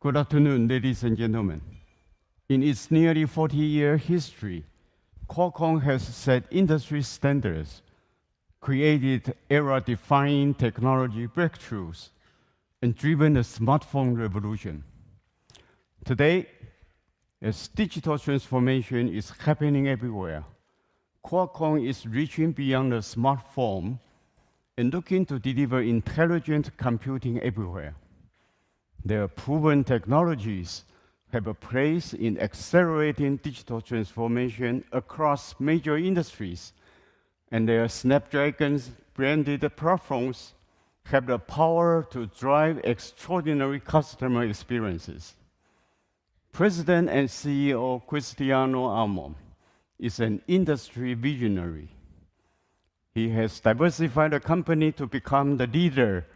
Good afternoon, ladies and gentlemen. In its nearly 40-year history, Qualcomm has set industry standards, created era-defining technology breakthroughs, and driven the smartphone revolution. Today, as digital transformation is happening everywhere, Qualcomm is reaching beyond the smartphone and looking to deliver intelligent computing everywhere. Their proven technologies have a place in accelerating digital transformation across major industries, and their Snapdragon-branded platforms have the power to drive extraordinary customer experiences. President and CEO Cristiano Amon is an industry visionary. He has diversified the company to become the leader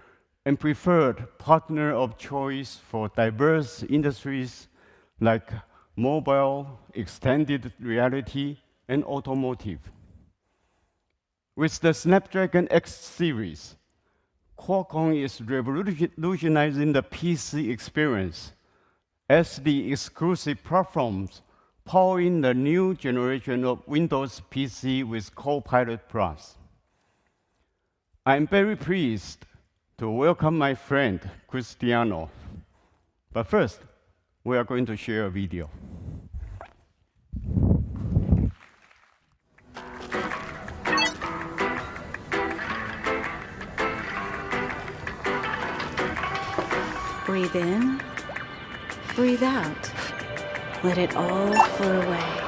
and preferred partner of choice for diverse industries like mobile, extended reality, and automotive. With the Snapdragon X Series, Qualcomm is revolutionizing the PC experience as the exclusive platforms powering the new generation of Windows PC with Copilot+. I am very pleased to welcome my friend, Cristiano, but first, we are going to share a video. Breathe in, breathe out. Let it all flow away.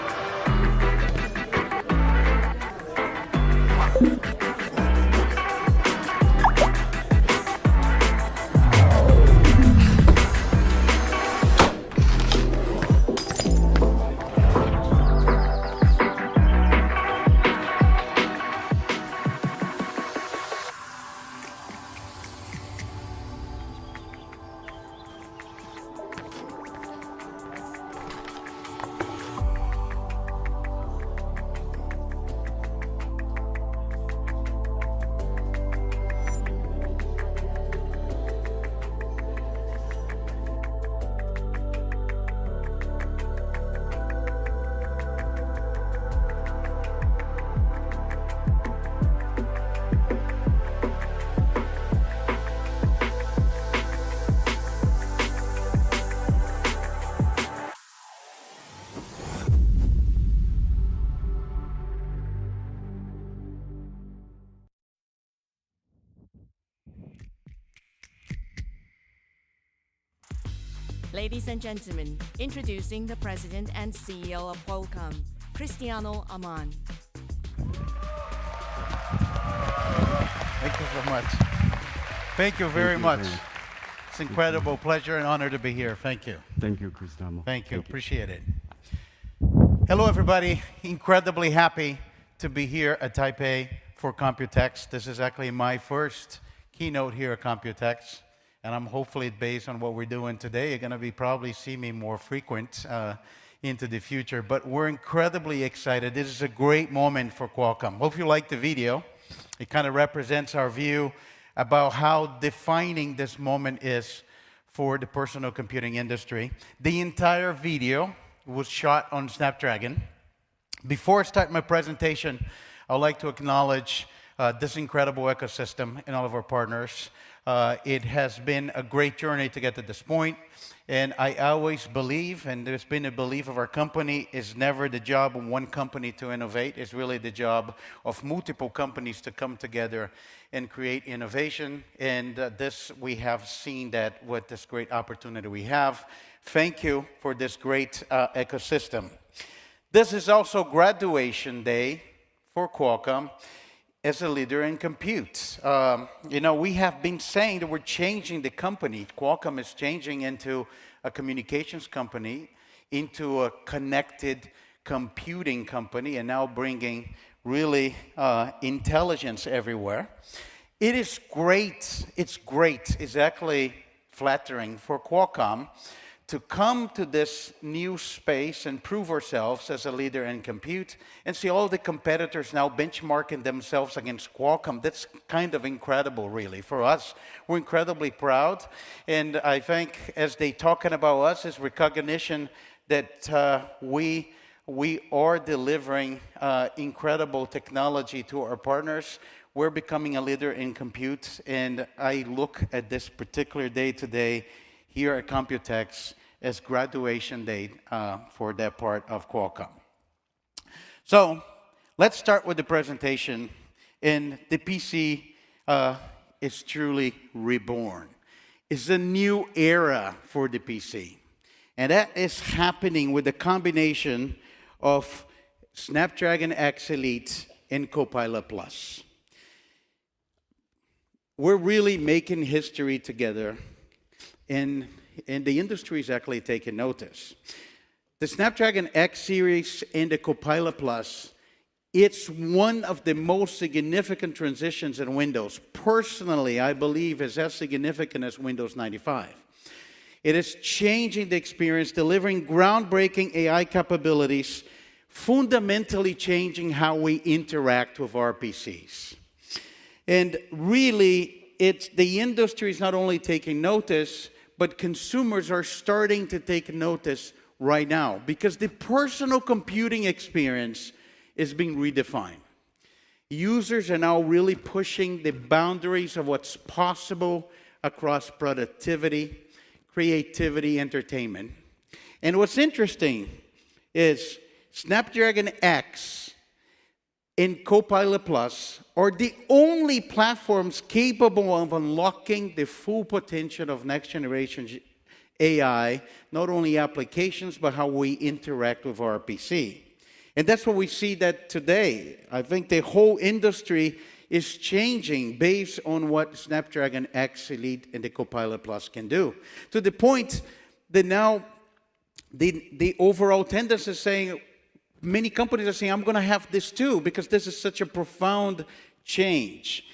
Ladies and gentlemen, introducing the President and CEO of Qualcomm, Cristiano Amon. Thank you so much. Thank you very much. Thank you. It's an incredible pleasure and honor to be here. Thank you. Thank you, Cristiano. Thank you. Appreciate it. Hello, everybody. Incredibly happy to be here at Taipei for COMPUTEX. This is actually my first keynote here at COMPUTEX, and I'm hopefully, based on what we're doing today, you're gonna be probably see me more frequent, into the future. But we're incredibly excited. This is a great moment for Qualcomm. Hope you liked the video. It kind of represents our view about how defining this moment is for the personal computing industry. The entire video was shot on Snapdragon. Before I start my presentation, I'd like to acknowledge this incredible ecosystem and all of our partners. It has been a great journey to get to this point, and I always believe, and it's been a belief of our company, it's never the job of one company to innovate. It's really the job of multiple companies to come together and create innovation, and this we have seen that with this great opportunity we have. Thank you for this great ecosystem. This is also graduation day for Qualcomm as a leader in compute. You know, we have been saying that we're changing the company. Qualcomm is changing into a communications company, into a connected computing company, and now bringing really intelligence everywhere. It is great. It's great, it's actually flattering for Qualcomm to come to this new space and prove ourselves as a leader in compute and see all the competitors now benchmarking themselves against Qualcomm. That's kind of incredible, really, for us. We're incredibly proud, and I think as they're talking about us, it's recognition that we are delivering incredible technology to our partners. We're becoming a leader in compute, and I look at this particular day today here at COMPUTEX as graduation day for that part of Qualcomm. So let's start with the presentation, and the PC is truly reborn. It's a new era for the PC, and that is happening with a combination of Snapdragon X Elite and Copilot+. We're really making history together, and, and the industry is actually taking notice. The Snapdragon X Series and the Copilot+, it's one of the most significant transitions in Windows. Personally, I believe it's as significant as Windows 95. It is changing the experience, delivering groundbreaking AI capabilities, fundamentally changing how we interact with our PCs... And really, it's the industry is not only taking notice, but consumers are starting to take notice right now, because the personal computing experience is being redefined. Users are now really pushing the boundaries of what's possible across productivity, creativity, entertainment. What's interesting is Snapdragon X and Copilot+ are the only platforms capable of unlocking the full potential of next-generation Gen AI, not only applications, but how we interact with our PC. That's what we see today. I think the whole industry is changing based on what Snapdragon X Elite and the Copilot+ can do, to the point that now the, the overall tendency is saying, many companies are saying, "I'm gonna have this, too," because this is such a profound change.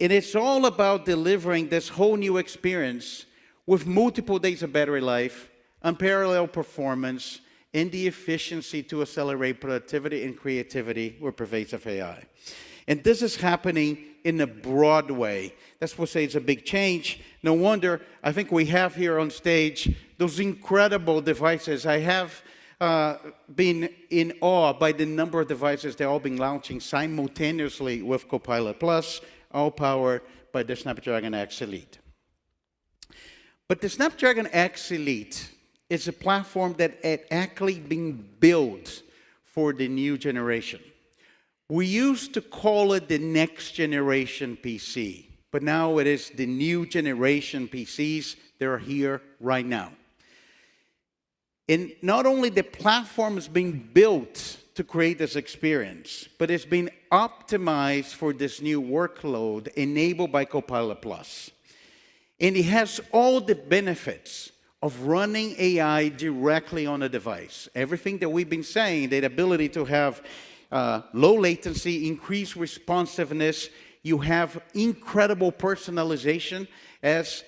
It's all about delivering this whole new experience with multiple days of battery life, unparalleled performance, and the efficiency to accelerate productivity and creativity with pervasive AI. This is happening in a broad way. That's why I say it's a big change. No wonder, I think we have here on stage those incredible devices. I have been in awe by the number of devices they've all been launching simultaneously with Copilot+, all powered by the Snapdragon X Elite. But the Snapdragon X Elite is a platform that had actually been built for the new generation. We used to call it the next generation PC, but now it is the new generation PCs that are here right now. And not only the platform is being built to create this experience, but it's been optimized for this new workload enabled by Copilot+. And it has all the benefits of running AI directly on a device. Everything that we've been saying, the ability to have low latency, increased responsiveness. You have incredible personalization as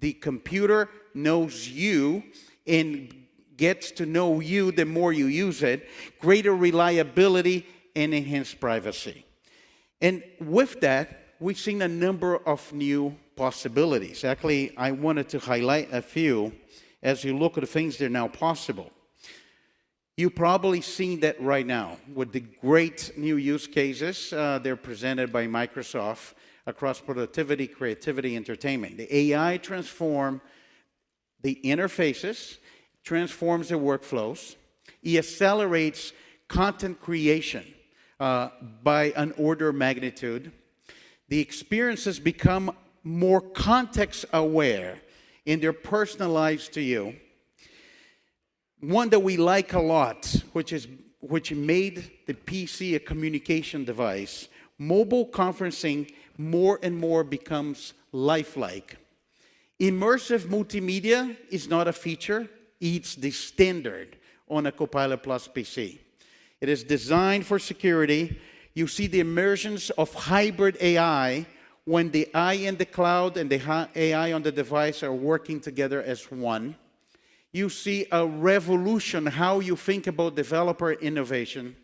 the computer knows you and gets to know you the more you use it, greater reliability, and enhanced privacy. With that, we've seen a number of new possibilities. Actually, I wanted to highlight a few as you look at the things that are now possible. You've probably seen that right now with the great new use cases, they're presented by Microsoft across productivity, creativity, entertainment. The AI transform the interfaces, transforms the workflows. It accelerates content creation by an order of magnitude. The experiences become more context-aware and they're personalized to you. One that we like a lot, which is, which made the PC a communication device, mobile conferencing more and more becomes lifelike. Immersive multimedia is not a feature, it's the standard on a Copilot+ PC. It is designed for security. You see the emergence of hybrid AI when the AI in the cloud and the hybrid AI on the device are working together as one. You see a revolution how you think about developer innovation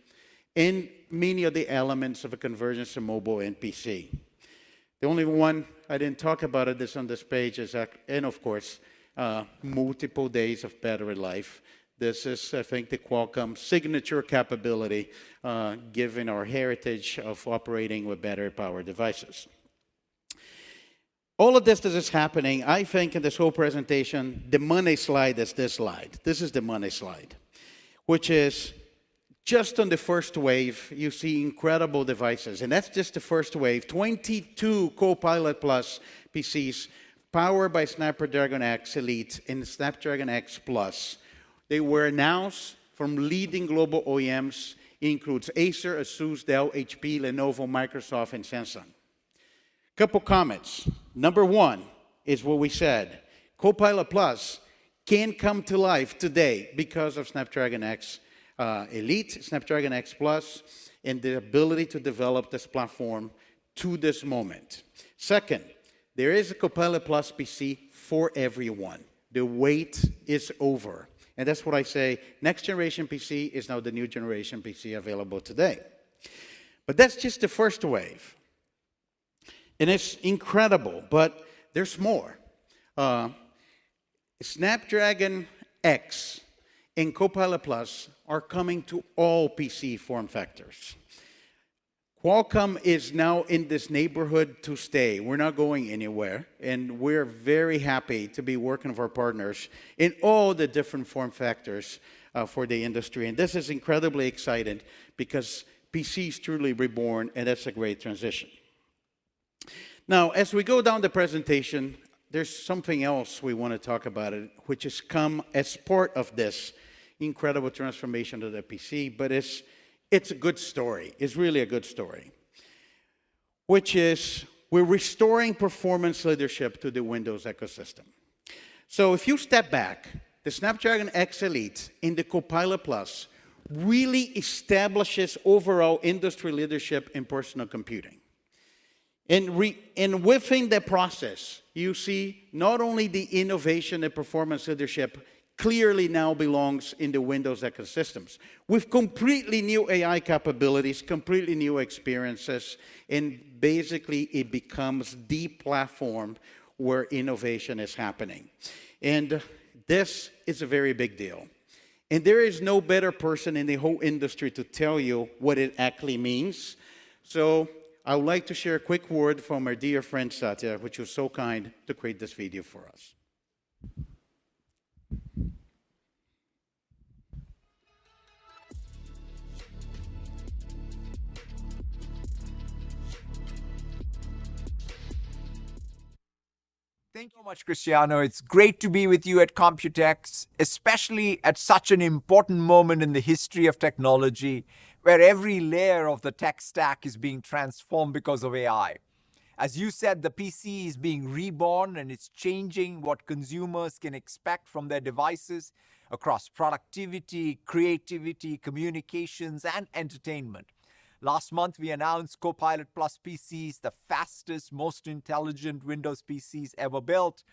in many of the elements of a convergence in mobile and PC. The only one I didn't talk about it, that's on this page, is, and of course, multiple days of battery life. This is, I think, the Qualcomm signature capability, given our heritage of operating with battery-powered devices. All of this that is happening, I think in this whole presentation, the money slide is this slide. This is the money slide, which is just on the first wave, you see incredible devices, and that's just the first wave. 22 Copilot+ PCs, powered by Snapdragon X Elite and Snapdragon X Plus. They were announced from leading global OEMs, includes Acer, ASUS, Dell, HP, Lenovo, Microsoft, and Samsung. Couple comments. Number one is what we said: Copilot+ can come to life today because of Snapdragon X Elite, Snapdragon X Plus, and the ability to develop this platform to this moment. Second, there is a Copilot+ PC for everyone. The wait is over, and that's what I say, next generation PC is now the new generation PC available today. But that's just the first wave, and it's incredible, but there's more. Snapdragon X and Copilot+ are coming to all PC form factors. Qualcomm is now in this neighborhood to stay. We're not going anywhere, and we're very happy to be working with our partners in all the different form factors, for the industry. And this is incredibly exciting because PC is truly reborn, and that's a great transition. Now, as we go down the presentation, there's something else we wanna talk about, which has come as part of this incredible transformation to the PC, but it's, it's a good story. It's really a good story, which is we're restoring performance leadership to the Windows ecosystem. So if you step back, the Snapdragon X Elite and the Copilot+ really establishes overall industry leadership in personal computing. And within the process, you see not only the innovation and performance leadership clearly now belongs in the Windows ecosystems, with completely new AI capabilities, completely new experiences, and basically it becomes the platform where innovation is happening. And this is a very big deal, and there is no better person in the whole industry to tell you what it actually means. I would like to share a quick word from our dear friend, Satya, which was so kind to create this video for us. Thank you so much, Cristiano. It's great to be with you at Computex, especially at such an important moment in the history of technology, where every layer of the tech stack is being transformed because of AI. As you said, the PC is being reborn, and it's changing what consumers can expect from their devices across productivity, creativity, communications, and entertainment. Last month, we announced Copilot+ PCs, the fastest, most intelligent Windows PCs ever built.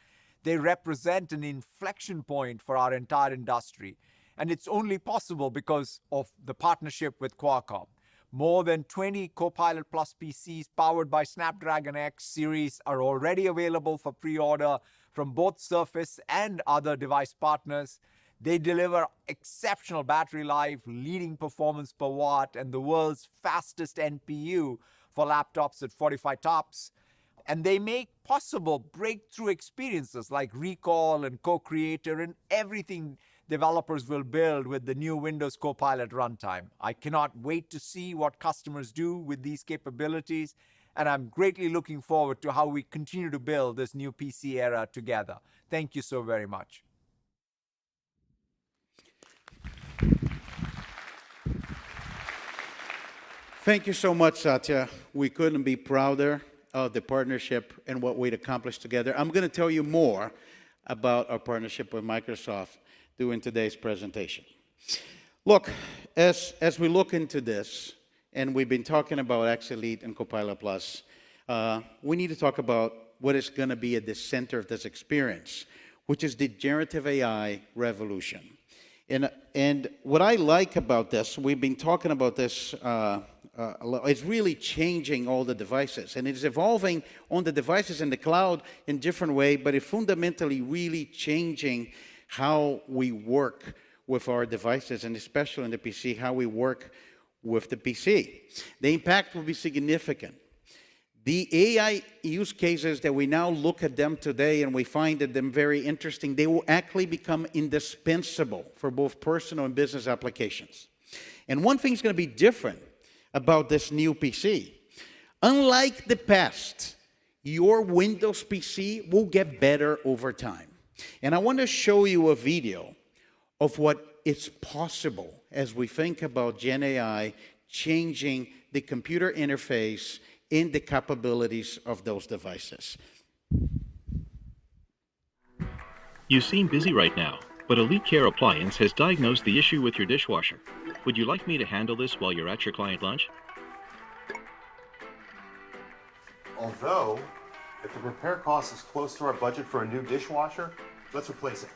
They represent an inflection point for our entire industry, and it's only possible because of the partnership with Qualcomm. More than 20 Copilot+ PCs powered by Snapdragon X Series are already available for pre-order from both Surface and other device partners. They deliver exceptional battery life, leading performance per watt, and the world's fastest NPU for laptops at 45 TOPS. They make possible breakthrough experiences like Recall and Cocreator, and everything developers will build with the new Windows Copilot Runtime. I cannot wait to see what customers do with these capabilities, and I'm greatly looking forward to how we continue to build this new PC era together. Thank you so very much. Thank you so much, Satya. We couldn't be prouder of the partnership and what we've accomplished together. I'm gonna tell you more about our partnership with Microsoft during today's presentation. Look, as we look into this, and we've been talking about X Elite and Copilot+, we need to talk about what is gonna be at the center of this experience, which is the generative AI revolution. And what I like about this, we've been talking about this a lot. It's really changing all the devices, and it is evolving on the devices in the cloud in different way, but it fundamentally really changing how we work with our devices, and especially on the PC, how we work with the PC. The impact will be significant. The AI use cases that we now look at them today, and we find them very interesting, they will actually become indispensable for both personal and business applications. One thing's gonna be different about this new PC: unlike the past, your Windows PC will get better over time. I want to show you a video of what is possible as we think about Gen AI changing the computer interface and the capabilities of those devices. You seem busy right now, but Elite Care Appliance has diagnosed the issue with your dishwasher. Would you like me to handle this while you're at your client lunch? Although, if the repair cost is close to our budget for a new dishwasher, let's replace it.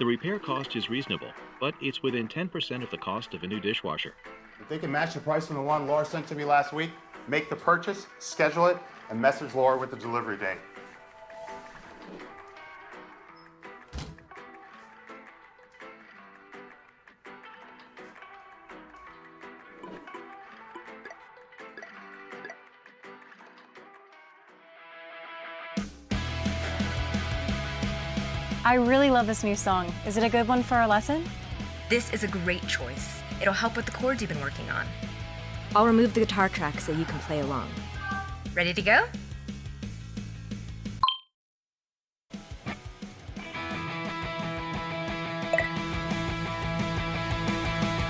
The repair cost is reasonable, but it's within 10% of the cost of a new dishwasher. If they can match the price on the one Laura sent to me last week, make the purchase, schedule it, and message Laura with the delivery date. I really love this new song. Is it a good one for our lesson? This is a great choice. It'll help with the chords you've been working on. I'll remove the guitar track so you can play along. Ready to go?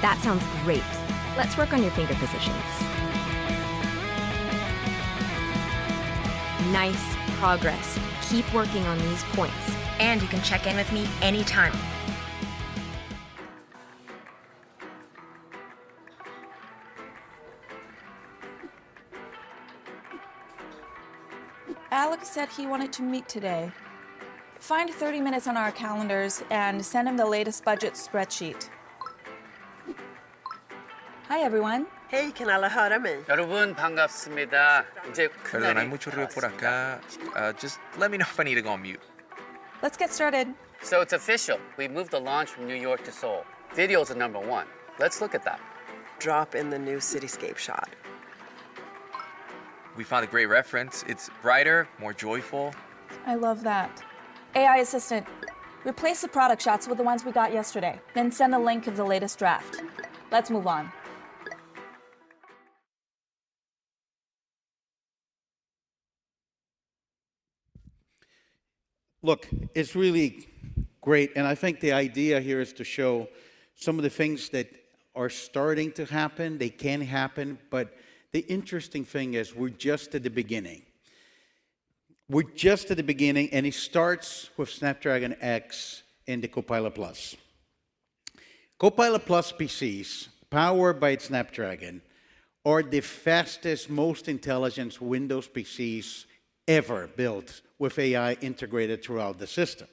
That sounds great. Let's work on your finger positions. Nice progress. Keep working on these chords, and you can check in with me anytime. Alex said he wanted to meet today. Find 30 minutes on our calendars and send him the latest budget spreadsheet. Hi, everyone. Hey, can all hear me? Just let me know if I need to go on mute. Let's get started. It's official. We've moved the launch from New York to Seoul. Video is the number one. Let's look at that. Drop in the new cityscape shot. We found a great reference. It's brighter, more joyful. I love that. AI assistant, replace the product shots with the ones we got yesterday, then send a link of the latest draft. Let's move on. Look, it's really great, and I think the idea here is to show some of the things that are starting to happen. They can happen, but the interesting thing is we're just at the beginning.... We're just at the beginning, and it starts with Snapdragon X and the Copilot+. Copilot+ PCs, powered by Snapdragon, are the fastest, most intelligent Windows PCs ever built, with AI integrated throughout the system.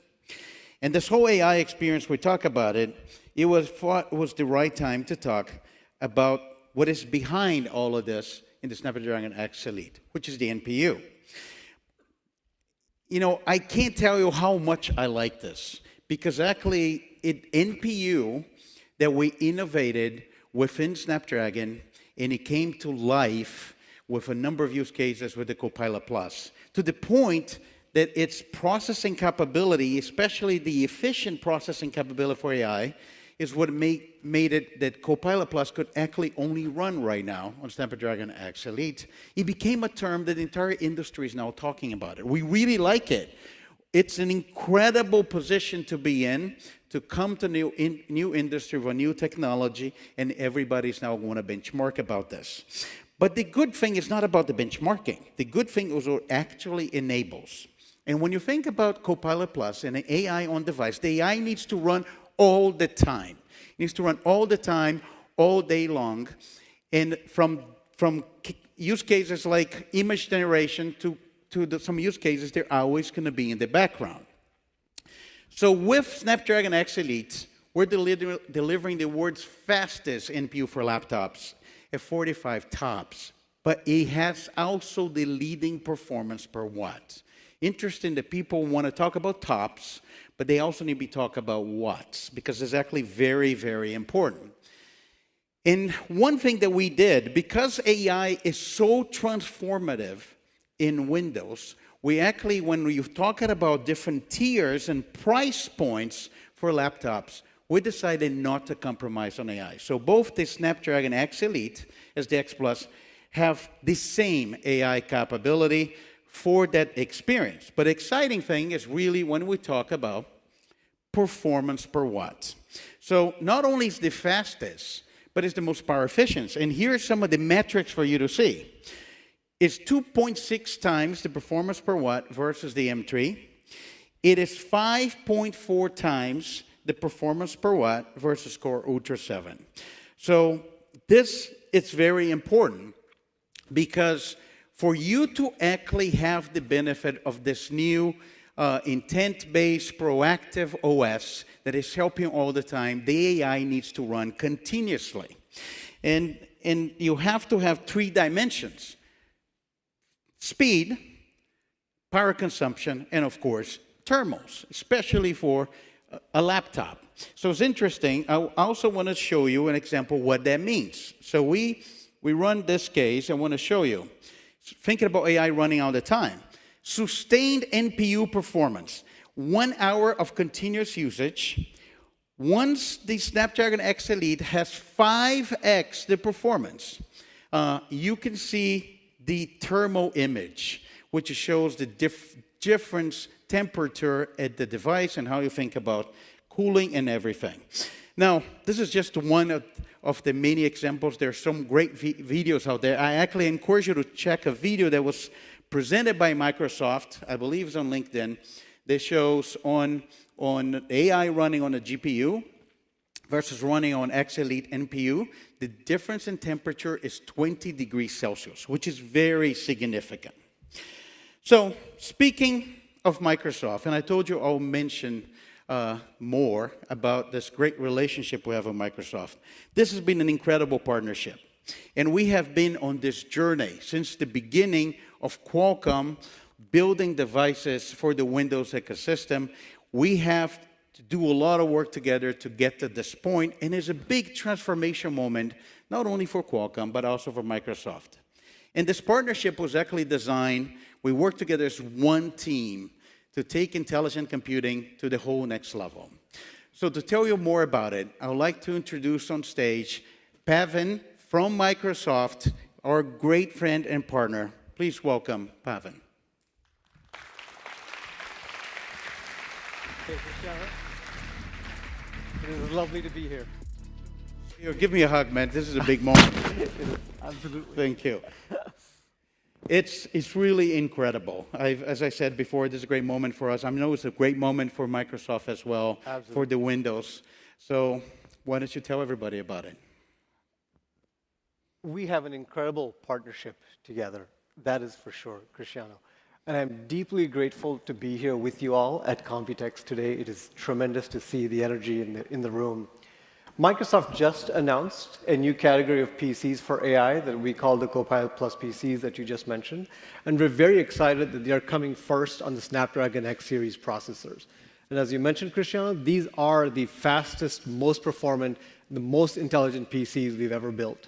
And this whole AI experience, we talk about it, it was thought it was the right time to talk about what is behind all of this in the Snapdragon X Elite, which is the NPU. You know, I can't tell you how much I like this, because actually, it NPU that we innovated within Snapdragon, and it came to life with a number of use cases with the Copilot+, to the point that its processing capability, especially the efficient processing capability for AI, is what made it that Copilot+ could actually only run right now on Snapdragon X Elite. It became a term that the entire industry is now talking about it. We really like it. It's an incredible position to be in, to come to new industry with a new technology, and everybody's now wanna benchmark about this. But the good thing is not about the benchmarking. The good thing is what actually enables. And when you think about Copilot+ and AI on device, the AI needs to run all the time. It needs to run all the time, all day long, and from use cases like image generation to the some use cases, they're always gonna be in the background. So with Snapdragon X Elite, we're delivering the world's fastest NPU for laptops at 45 TOPS, but it has also the leading performance per watt. Interesting that people wanna talk about TOPS, but they also need to talk about watts, because it's actually very, very important. And one thing that we did, because AI is so transformative in Windows, we actually, when we're talking about different tiers and price points for laptops, we decided not to compromise on AI. So both the Snapdragon X Elite, as the X Plus, have the same AI capability for that experience. But exciting thing is really when we talk about performance per watt. So not only is the fastest, but it's the most power efficient, and here are some of the metrics for you to see. It's 2.6 times the performance per watt versus the M3. It is 5.4 times the performance per watt versus Core Ultra 7. So this, it's very important because for you to actually have the benefit of this new, intent-based, proactive OS that is helping you all the time, the AI needs to run continuously. And you have to have three dimensions: speed, power consumption, and of course, thermals, especially for a, a laptop. So it's interesting. I also wanna show you an example what that means. So we run this case, I wanna show you. Thinking about AI running all the time. Sustained NPU performance, 1 hour of continuous usage. Once the Snapdragon X Elite has 5x the performance, you can see the thermal image, which shows the difference temperature at the device and how you think about cooling and everything. Now, this is just one of the many examples. There are some great videos out there. I actually encourage you to check a video that was presented by Microsoft, I believe it's on LinkedIn, that shows on AI running on a GPU versus running on X Elite NPU. The difference in temperature is 20 degrees Celsius, which is very significant. So speaking of Microsoft, and I told you I'll mention more about this great relationship we have with Microsoft. This has been an incredible partnership, and we have been on this journey since the beginning of Qualcomm building devices for the Windows ecosystem. We have to do a lot of work together to get to this point, and it's a big transformation moment, not only for Qualcomm, but also for Microsoft. This partnership was actually designed... We work together as one team to take intelligent computing to the whole next level. To tell you more about it, I would like to introduce on stage Pavan from Microsoft, our great friend and partner. Please welcome, Pavan. Thank you, Cristiano. It is lovely to be here. You know, give me a hug, man. This is a big moment. It is. Absolutely. Thank you. Yes. It's, it's really incredible. I've, as I said before, this is a great moment for us. I know it's a great moment for Microsoft as well- Absolutely ...for the Windows. So why don't you tell everybody about it? We have an incredible partnership together. That is for sure, Cristiano, and I'm deeply grateful to be here with you all at COMPUTEX today. It is tremendous to see the energy in the room. Microsoft just announced a new category of PCs for AI that we call the Copilot+ PCs that you just mentioned, and we're very excited that they are coming first on the Snapdragon X series processors. As you mentioned, Cristiano, these are the fastest, most performant, the most intelligent PCs we've ever built.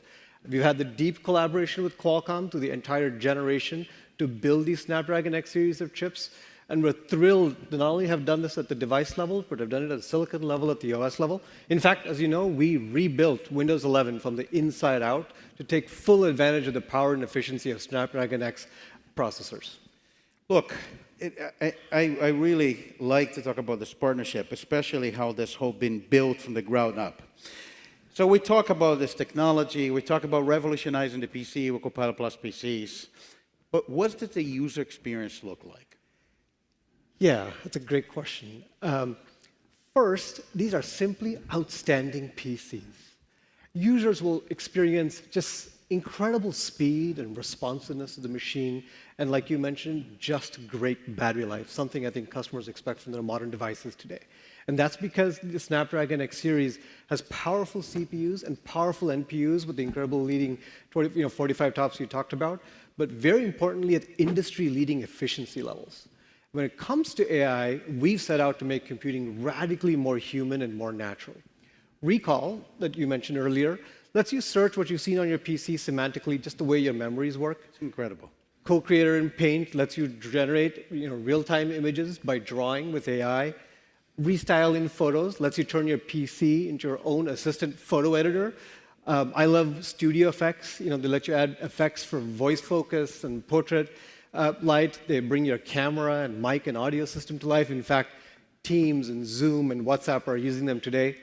We've had the deep collaboration with Qualcomm through the entire generation to build these Snapdragon X series of chips, and we're thrilled to not only have done this at the device level, but have done it at the silicon level, at the OS level. In fact, as you know, we rebuilt Windows 11 from the inside out to take full advantage of the power and efficiency of Snapdragon X processors. Look, I really like to talk about this partnership, especially how this whole been built from the ground up. So we talk about this technology, we talk about revolutionizing the PC with Copilot+ PCs, but what does the user experience look like? Yeah, that's a great question. First, these are simply outstanding PCs. Users will experience just incredible speed and responsiveness of the machine, and like you mentioned, just great battery life, something I think customers expect from their modern devices today. And that's because the Snapdragon X Series has powerful CPUs and powerful NPUs with the incredible leading, you know, 45 TOPS you talked about, but very importantly, at industry-leading efficiency levels. When it comes to AI, we've set out to make computing radically more human and more natural. Recall that you mentioned earlier lets you search what you've seen on your PC semantically, just the way your memories work. It's incredible. Cocreator in Paint lets you generate, you know, real-time images by drawing with AI. Restyling photos lets you turn your PC into your own assistant photo editor. I love Studio Effects. You know, they let you add effects from Voice Focus and Portrait Light. They bring your camera and mic and audio system to life. In fact, Teams and Zoom and WhatsApp are using them today.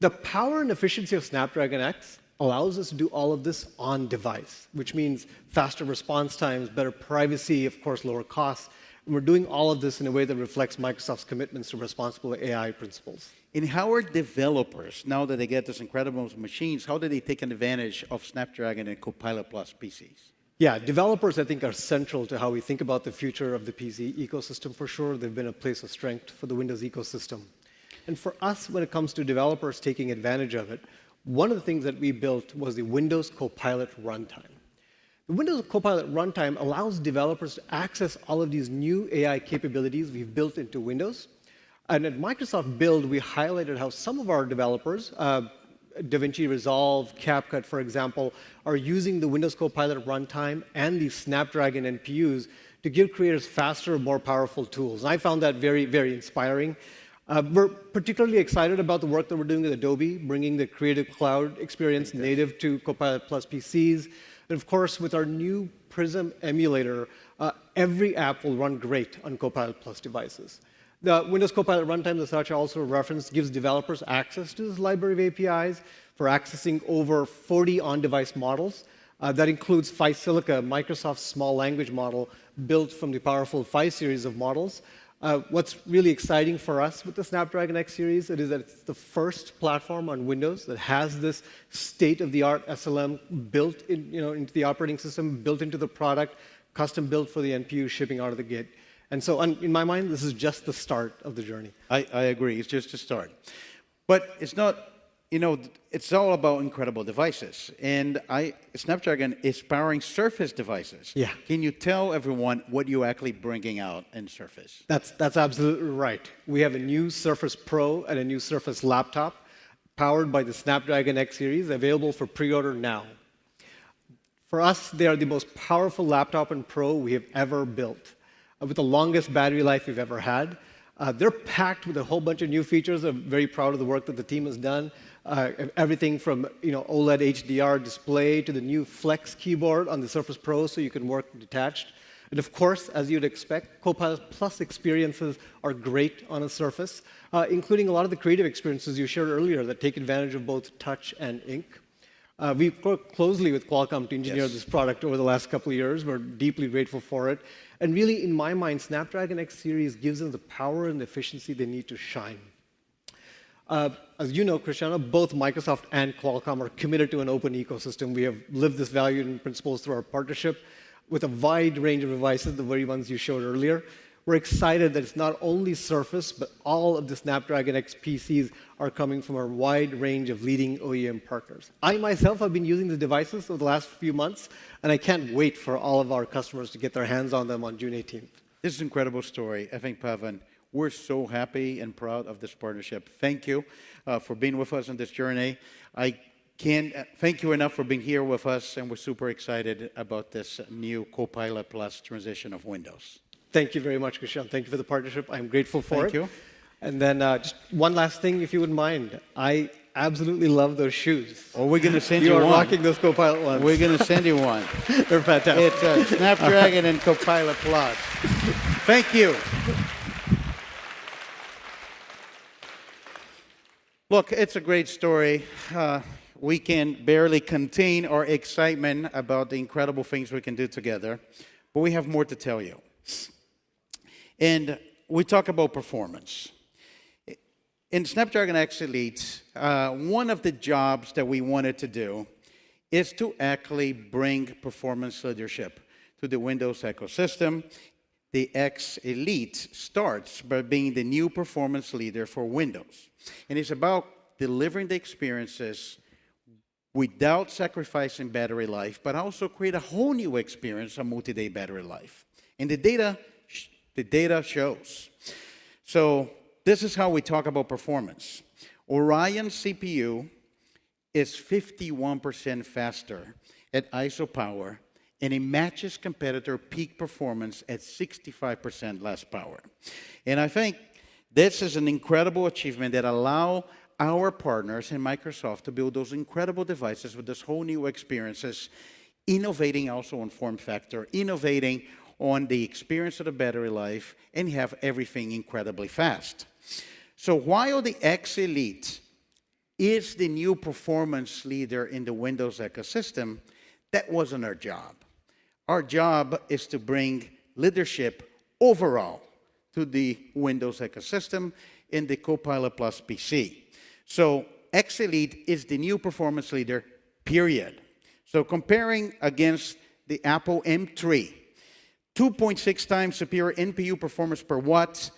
The power and efficiency of Snapdragon X allows us to do all of this on device, which means faster response times, better privacy, of course, lower costs, and we're doing all of this in a way that reflects Microsoft's commitments to responsible AI principles. How are developers, now that they get these incredible machines, how do they take advantage of Snapdragon and Copilot+ PCs? Yeah, developers, I think, are central to how we think about the future of the PC ecosystem. For sure, they've been a place of strength for the Windows ecosystem. And for us, when it comes to developers taking advantage of it, one of the things that we built was the Windows Copilot Runtime. The Windows Copilot Runtime allows developers to access all of these new AI capabilities we've built into Windows. And at Microsoft Build, we highlighted how some of our developers, DaVinci Resolve, CapCut, for example, are using the Windows Copilot Runtime and the Snapdragon NPUs to give creators faster, more powerful tools. I found that very, very inspiring. We're particularly excited about the work that we're doing with Adobe, bringing the Creative Cloud experience- Yes... native to Copilot+ PCs. Of course, with our new Prism Emulator, every app will run great on Copilot+ devices. The Windows Copilot Runtime, that Satya also referenced, gives developers access to this library of APIs for accessing over 40 on-device models. That includes Phi Silica, Microsoft's small language model, built from the powerful Phi series of models. What's really exciting for us with the Snapdragon X Series, it is that it's the first platform on Windows that has this state-of-the-art SLM built in, you know, into the operating system, built into the product, custom-built for the NPU, shipping out of the gate. And so on, in my mind, this is just the start of the journey. I agree. It's just a start. But it's not, you know... It's all about incredible devices, and Snapdragon is powering Surface devices. Yeah. Can you tell everyone what you're actually bringing out in Surface? That's, that's absolutely right. We have a new Surface Pro and a new Surface Laptop, powered by the Snapdragon X Series, available for pre-order now. For us, they are the most powerful Laptop and Pro we have ever built, with the longest battery life we've ever had. They're packed with a whole bunch of new features. I'm very proud of the work that the team has done. Everything from, you know, OLED HDR display to the new Flex keyboard on the Surface Pro, so you can work detached. And of course, as you'd expect, Copilot+ experiences are great on a Surface, including a lot of the creative experiences you shared earlier that take advantage of both touch and ink. We've worked closely with Qualcomm to engineer- Yes... this product over the last couple of years. We're deeply grateful for it. And really, in my mind, Snapdragon X Series gives them the power and efficiency they need to shine. As you know, Cristiano, both Microsoft and Qualcomm are committed to an open ecosystem. We have lived this value and principles through our partnership with a wide range of devices, the very ones you showed earlier. We're excited that it's not only Surface, but all of the Snapdragon X PCs are coming from a wide range of leading OEM partners. I myself have been using the devices for the last few months, and I can't wait for all of our customers to get their hands on them on June 18th. This is an incredible story. I think, Pavan, we're so happy and proud of this partnership. Thank you for being with us on this journey. I can't thank you enough for being here with us, and we're super excited about this new Copilot+ transition of Windows. Thank you very much, Cristiano. Thank you for the partnership. I'm grateful for it. Thank you. And then, just one last thing, if you wouldn't mind. I absolutely love those shoes. Oh, we're gonna send you one. You are rocking those Copilot ones. We're gonna send you one. They're fantastic. It's a Snapdragon and Copilot+. Thank you. Look, it's a great story. We can barely contain our excitement about the incredible things we can do together, but we have more to tell you. We talk about performance. In Snapdragon X Elite, one of the jobs that we wanted to do is to actually bring performance leadership to the Windows ecosystem. The X Elite starts by being the new performance leader for Windows, and it's about delivering the experiences without sacrificing battery life, but also create a whole new experience on multi-day battery life. The data shows. So this is how we talk about performance. Oryon CPU is 51% faster at ISO power, and it matches competitor peak performance at 65% less power. I think this is an incredible achievement that allow our partners and Microsoft to build those incredible devices with this whole new experiences, innovating also on form factor, innovating on the experience of the battery life, and have everything incredibly fast. So while the X Elite is the new performance leader in the Windows ecosystem, that wasn't our job. Our job is to bring leadership overall to the Windows ecosystem in the Copilot+ PC. So X Elite is the new performance leader, period. So comparing against the Apple M3: 2.6x superior NPU performance per watt,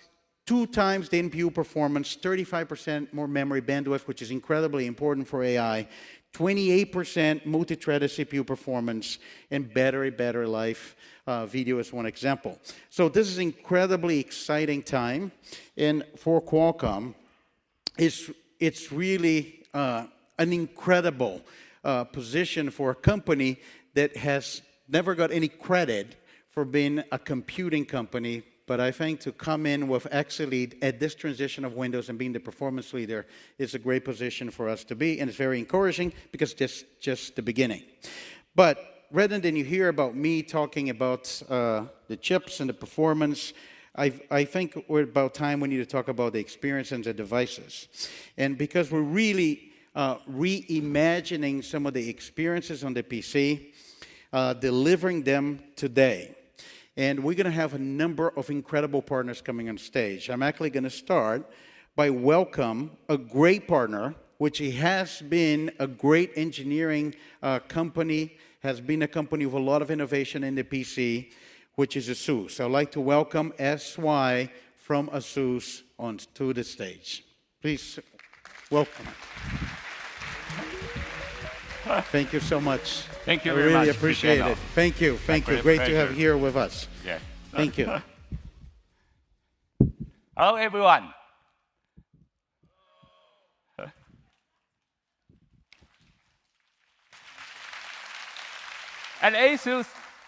2x the NPU performance, 35% more memory bandwidth, which is incredibly important for AI, 28% multi-threaded CPU performance, and battery better life, video is one example. So this is incredibly exciting time, and for Qualcomm, it's really an incredible position for a company that has never got any credit for being a computing company. But I think to come in with X Elite at this transition of Windows and being the performance leader is a great position for us to be, and it's very encouraging because this just the beginning. But rather than you hear about me talking about the chips and the performance, I think we're about time we need to talk about the experience and the devices. And because we're really reimagining some of the experiences on the PC, delivering them today, and we're gonna have a number of incredible partners coming on stage. I'm actually gonna start by welcome a great partner, which he has been a great engineering, company, has been a company with a lot of innovation in the PC, which is ASUS. I'd like to welcome S.Y. Hsu from ASUS onto the stage. Please, welcome. Thank you so much. Thank you very much. I really appreciate it. You're welcome. Thank you. Thank you. My pleasure. Great to have you here with us. Yeah. Thank you. Hello, everyone. Hello. At ASUS,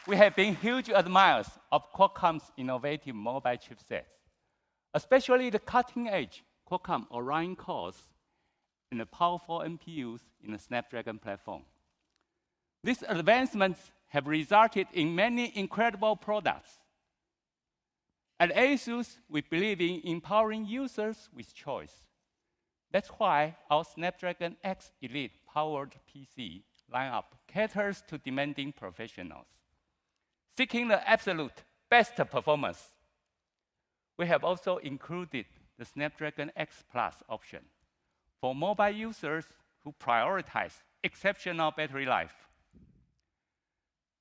we have been huge admirers of Qualcomm's innovative mobile chipsets, especially the cutting-edge Qualcomm Oryon cores and the powerful NPUs in the Snapdragon platform. These advancements have resulted in many incredible products. At ASUS, we believe in empowering users with choice. That's why our Snapdragon X Elite-powered PC lineup caters to demanding professionals seeking the absolute best performance. We have also included the Snapdragon X Plus option for mobile users who prioritize exceptional battery life.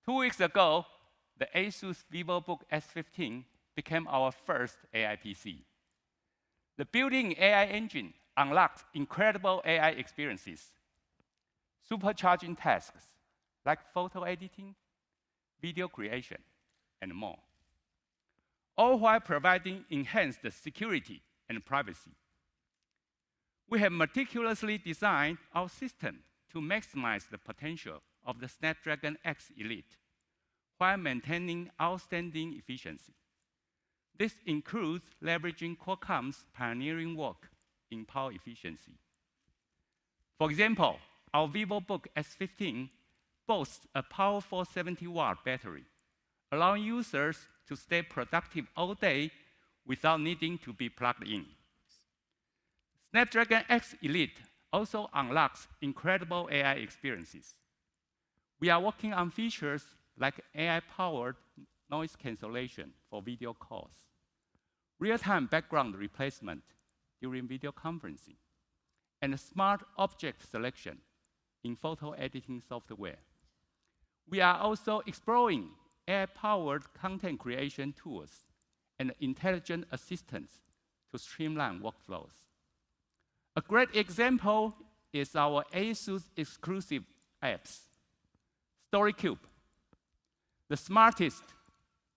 Two weeks ago, the ASUS Vivobook S15 became our first AI PC. The built-in AI engine unlocked incredible AI experiences, supercharging tasks like photo editing, video creation, and more, all while providing enhanced security and privacy. We have meticulously designed our system to maximize the potential of the Snapdragon X Elite while maintaining outstanding efficiency. This includes leveraging Qualcomm's pioneering work in power efficiency. For example, our Vivobook S15 boasts a powerful 70-watt battery, allowing users to stay productive all day without needing to be plugged in. Snapdragon X Elite also unlocks incredible AI experiences. We are working on features like AI-powered noise cancellation for video calls, real-time background replacement during video conferencing, and smart object selection in photo editing software. We are also exploring AI-powered content creation tools and intelligent assistants to streamline workflows. A great example is our ASUS exclusive apps, StoryCube, the smartest,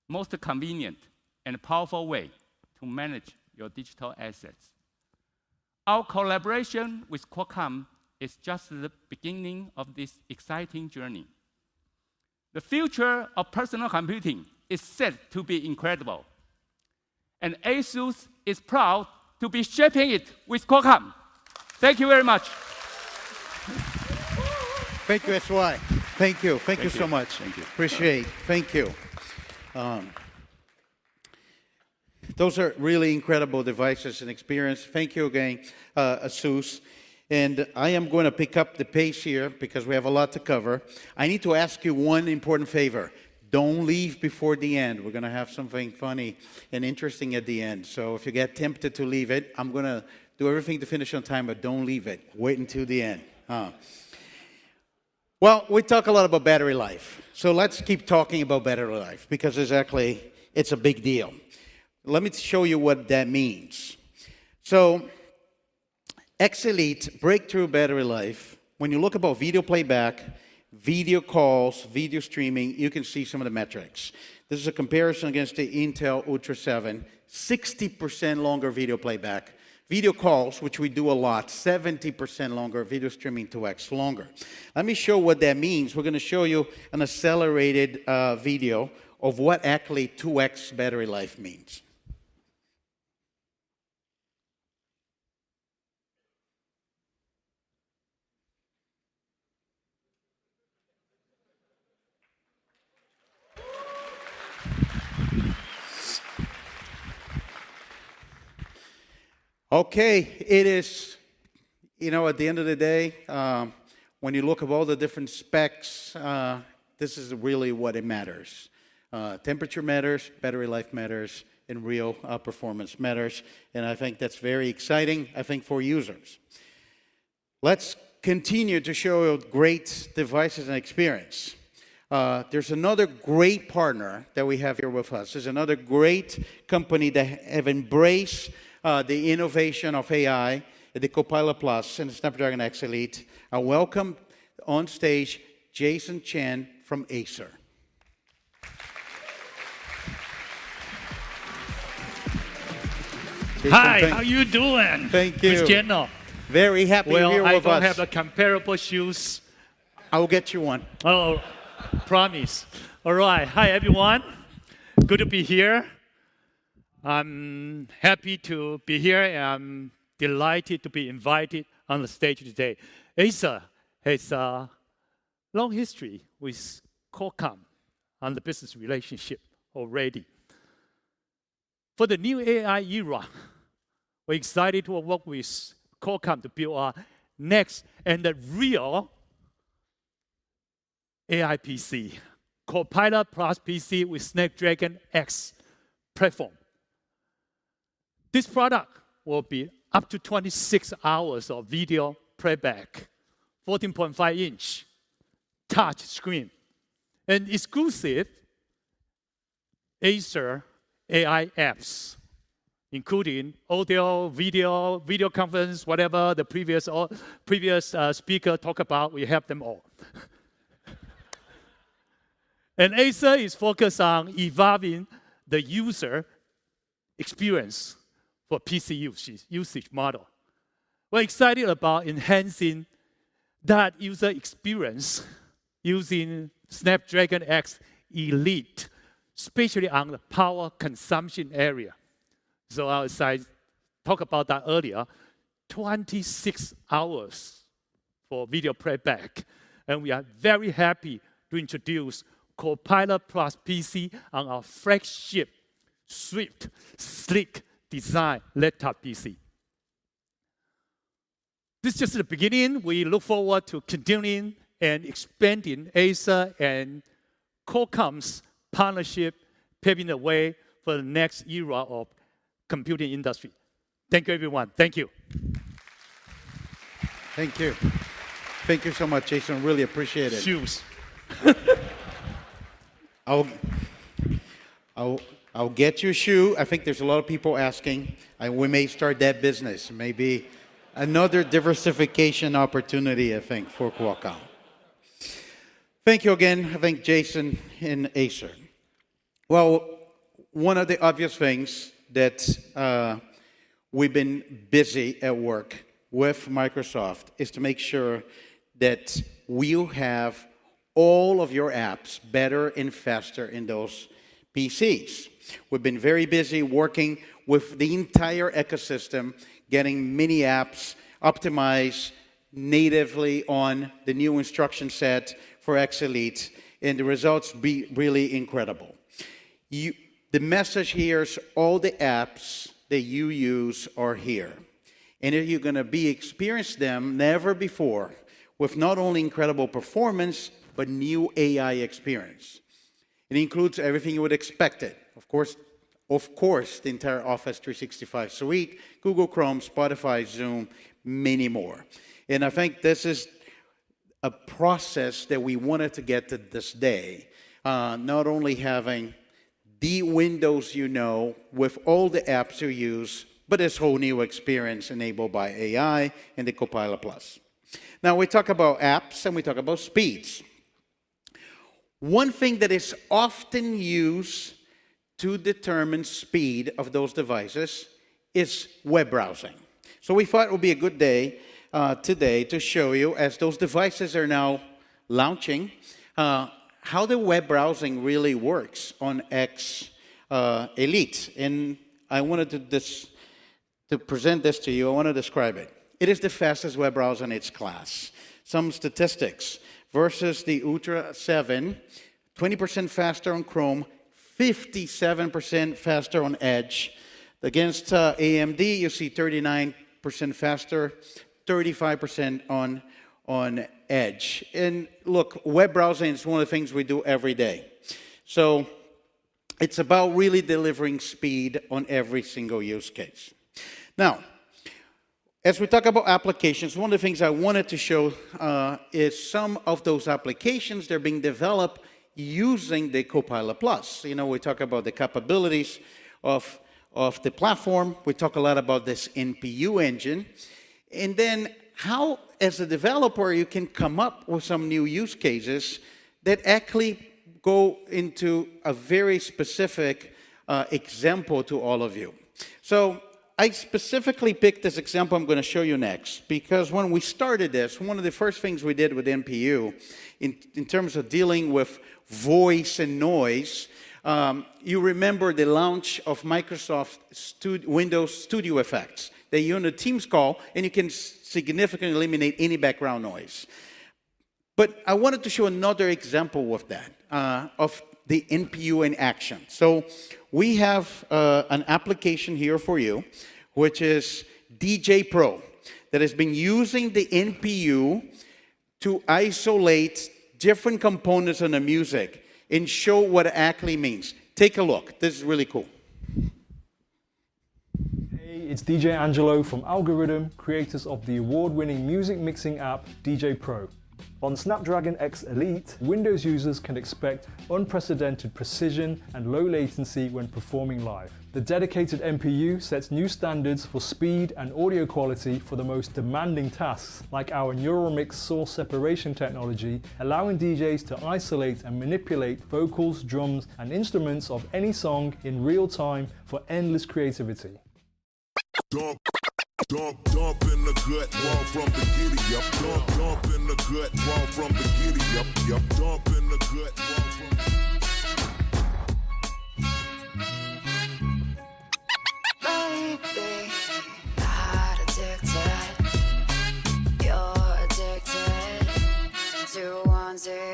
most convenient, and powerful way to manage your digital assets. Our collaboration with Qualcomm is just the beginning of this exciting journey. The future of personal computing is set to be incredible, and ASUS is proud to be shaping it with Qualcomm. Thank you very much. Thank you, S.Y. Thank you. Thank you. Thank you so much. Thank you. Appreciate it. Thank you. Those are really incredible devices and experience. Thank you again, ASUS. And I am gonna pick up the pace here because we have a lot to cover. I need to ask you one important favor: Don't leave before the end. We're gonna have something funny and interesting at the end. So if you get tempted to leave it, I'm gonna do everything to finish on time, but don't leave it. Wait until the end. Well, we talk a lot about battery life, so let's keep talking about battery life because exactly, it's a big deal. Let me show you what that means. So X Elite breakthrough battery life, when you look about video playback, video calls, video streaming, you can see some of the metrics. This is a comparison against the Intel Ultra 7: 60% longer video playback. Video calls, which we do a lot, 70% longer. Video streaming, 2x longer. Let me show what that means. We're gonna show you an accelerated video of what actually 2x battery life means. Okay, it is, you know, at the end of the day, when you look at all the different specs, this is really what it matters. Temperature matters, battery life matters, and real performance matters, and I think that's very exciting, I think, for users. Let's continue to show great devices and experience. There's another great partner that we have here with us. There's another great company that have embraced the innovation of AI, the Copilot+ and Snapdragon X Elite. I welcome on stage Jason Chen from Acer. Hi, how you doing- Thank you. Mr. Chen. Very happy you're here with us. Well, I don't have the comparable shoes. I will get you one. Oh. Promise. All right. Hi, everyone. Good to be here. I'm happy to be here, and I'm delighted to be invited on the stage today. Acer has a long history with Qualcomm and the business relationship already. For the new AI era, we're excited to work with Qualcomm to build our next and the real AI PC, Copilot+ PC, with Snapdragon X platform. This product will be up to 26 hours of video playback, 14.5-inch touch screen, and exclusive Acer AI apps, including audio, video, video conference, whatever the previous or previous speaker talk about, we have them all. Acer is focused on evolving the user experience for PC usage, usage model. We're excited about enhancing that user experience using Snapdragon X Elite, especially on the power consumption area. As I talk about that earlier, 26 hours for video playback, and we are very happy to introduce Copilot+ PC on our flagship, Swift, sleek design laptop PC. This is just the beginning. We look forward to continuing and expanding Acer and Qualcomm's partnership, paving the way for the next era of computing industry. Thank you, everyone. Thank you. Thank you. Thank you so much, Jason. Really appreciate it. Shoes. I'll get you a shoe. I think there's a lot of people asking, and we may start that business. Maybe another diversification opportunity, I think, for Qualcomm. Thank you again. Thank Jason and Acer. Well, one of the obvious things that we've been busy at work with Microsoft is to make sure that you have all of your apps better and faster in those PCs. We've been very busy working with the entire ecosystem, getting many apps optimized natively on the new instruction set for X Elite, and the results be really incredible. The message here is all the apps that you use are here, and you're gonna be experience them never before with not only incredible performance, but new AI experience. It includes everything you would expected. Of course, of course, the entire Office 365 suite, Google Chrome, Spotify, Zoom, many more. I think this is a process that we wanted to get to this day, not only having the Windows you know with all the apps you use, but this whole new experience enabled by AI and the Copilot+. Now, we talk about apps, and we talk about speeds. One thing that is often used to determine speed of those devices is web browsing. So we thought it would be a good day, today to show you, as those devices are now launching, how the web browsing really works on X Elite. And I wanted to present this to you, I wanna describe it. It is the fastest web browser in its class. Some statistics: versus the Ultra 7, 20% faster on Chrome, 57% faster on Edge. Against AMD, you see 39% faster, 35% on Edge. Look, web browsing is one of the things we do every day, so it's about really delivering speed on every single use case. Now, as we talk about applications, one of the things I wanted to show is some of those applications that are being developed using the Copilot+. You know, we talk about the capabilities of the platform. We talk a lot about this NPU engine, and then how, as a developer, you can come up with some new use cases that actually go into a very specific example to all of you. So I specifically picked this example I'm gonna show you next, because when we started this, one of the first things we did with NPU in terms of dealing with voice and noise, you remember the launch of Windows Studio Effects, that you're on a Teams call, and you can significantly eliminate any background noise.... But I wanted to show another example of that, of the NPU in action. So we have, an application here for you, which is djay Pro, that has been using the NPU to isolate different components in the music and show what it actually means. Take a look. This is really cool. Hey, it's DJ Angelo from Algoriddim, creators of the award-winning music mixing app, djay Pro. On Snapdragon X Elite, Windows users can expect unprecedented precision and low latency when performing live. The dedicated NPU sets new standards for speed and audio quality for the most demanding tasks, like our Neural Mix source separation technology, allowing DJs to isolate and manipulate vocals, drums, and instruments of any song in real time for endless creativity. Baby, I'm addicted. You're addicted to wanting. I-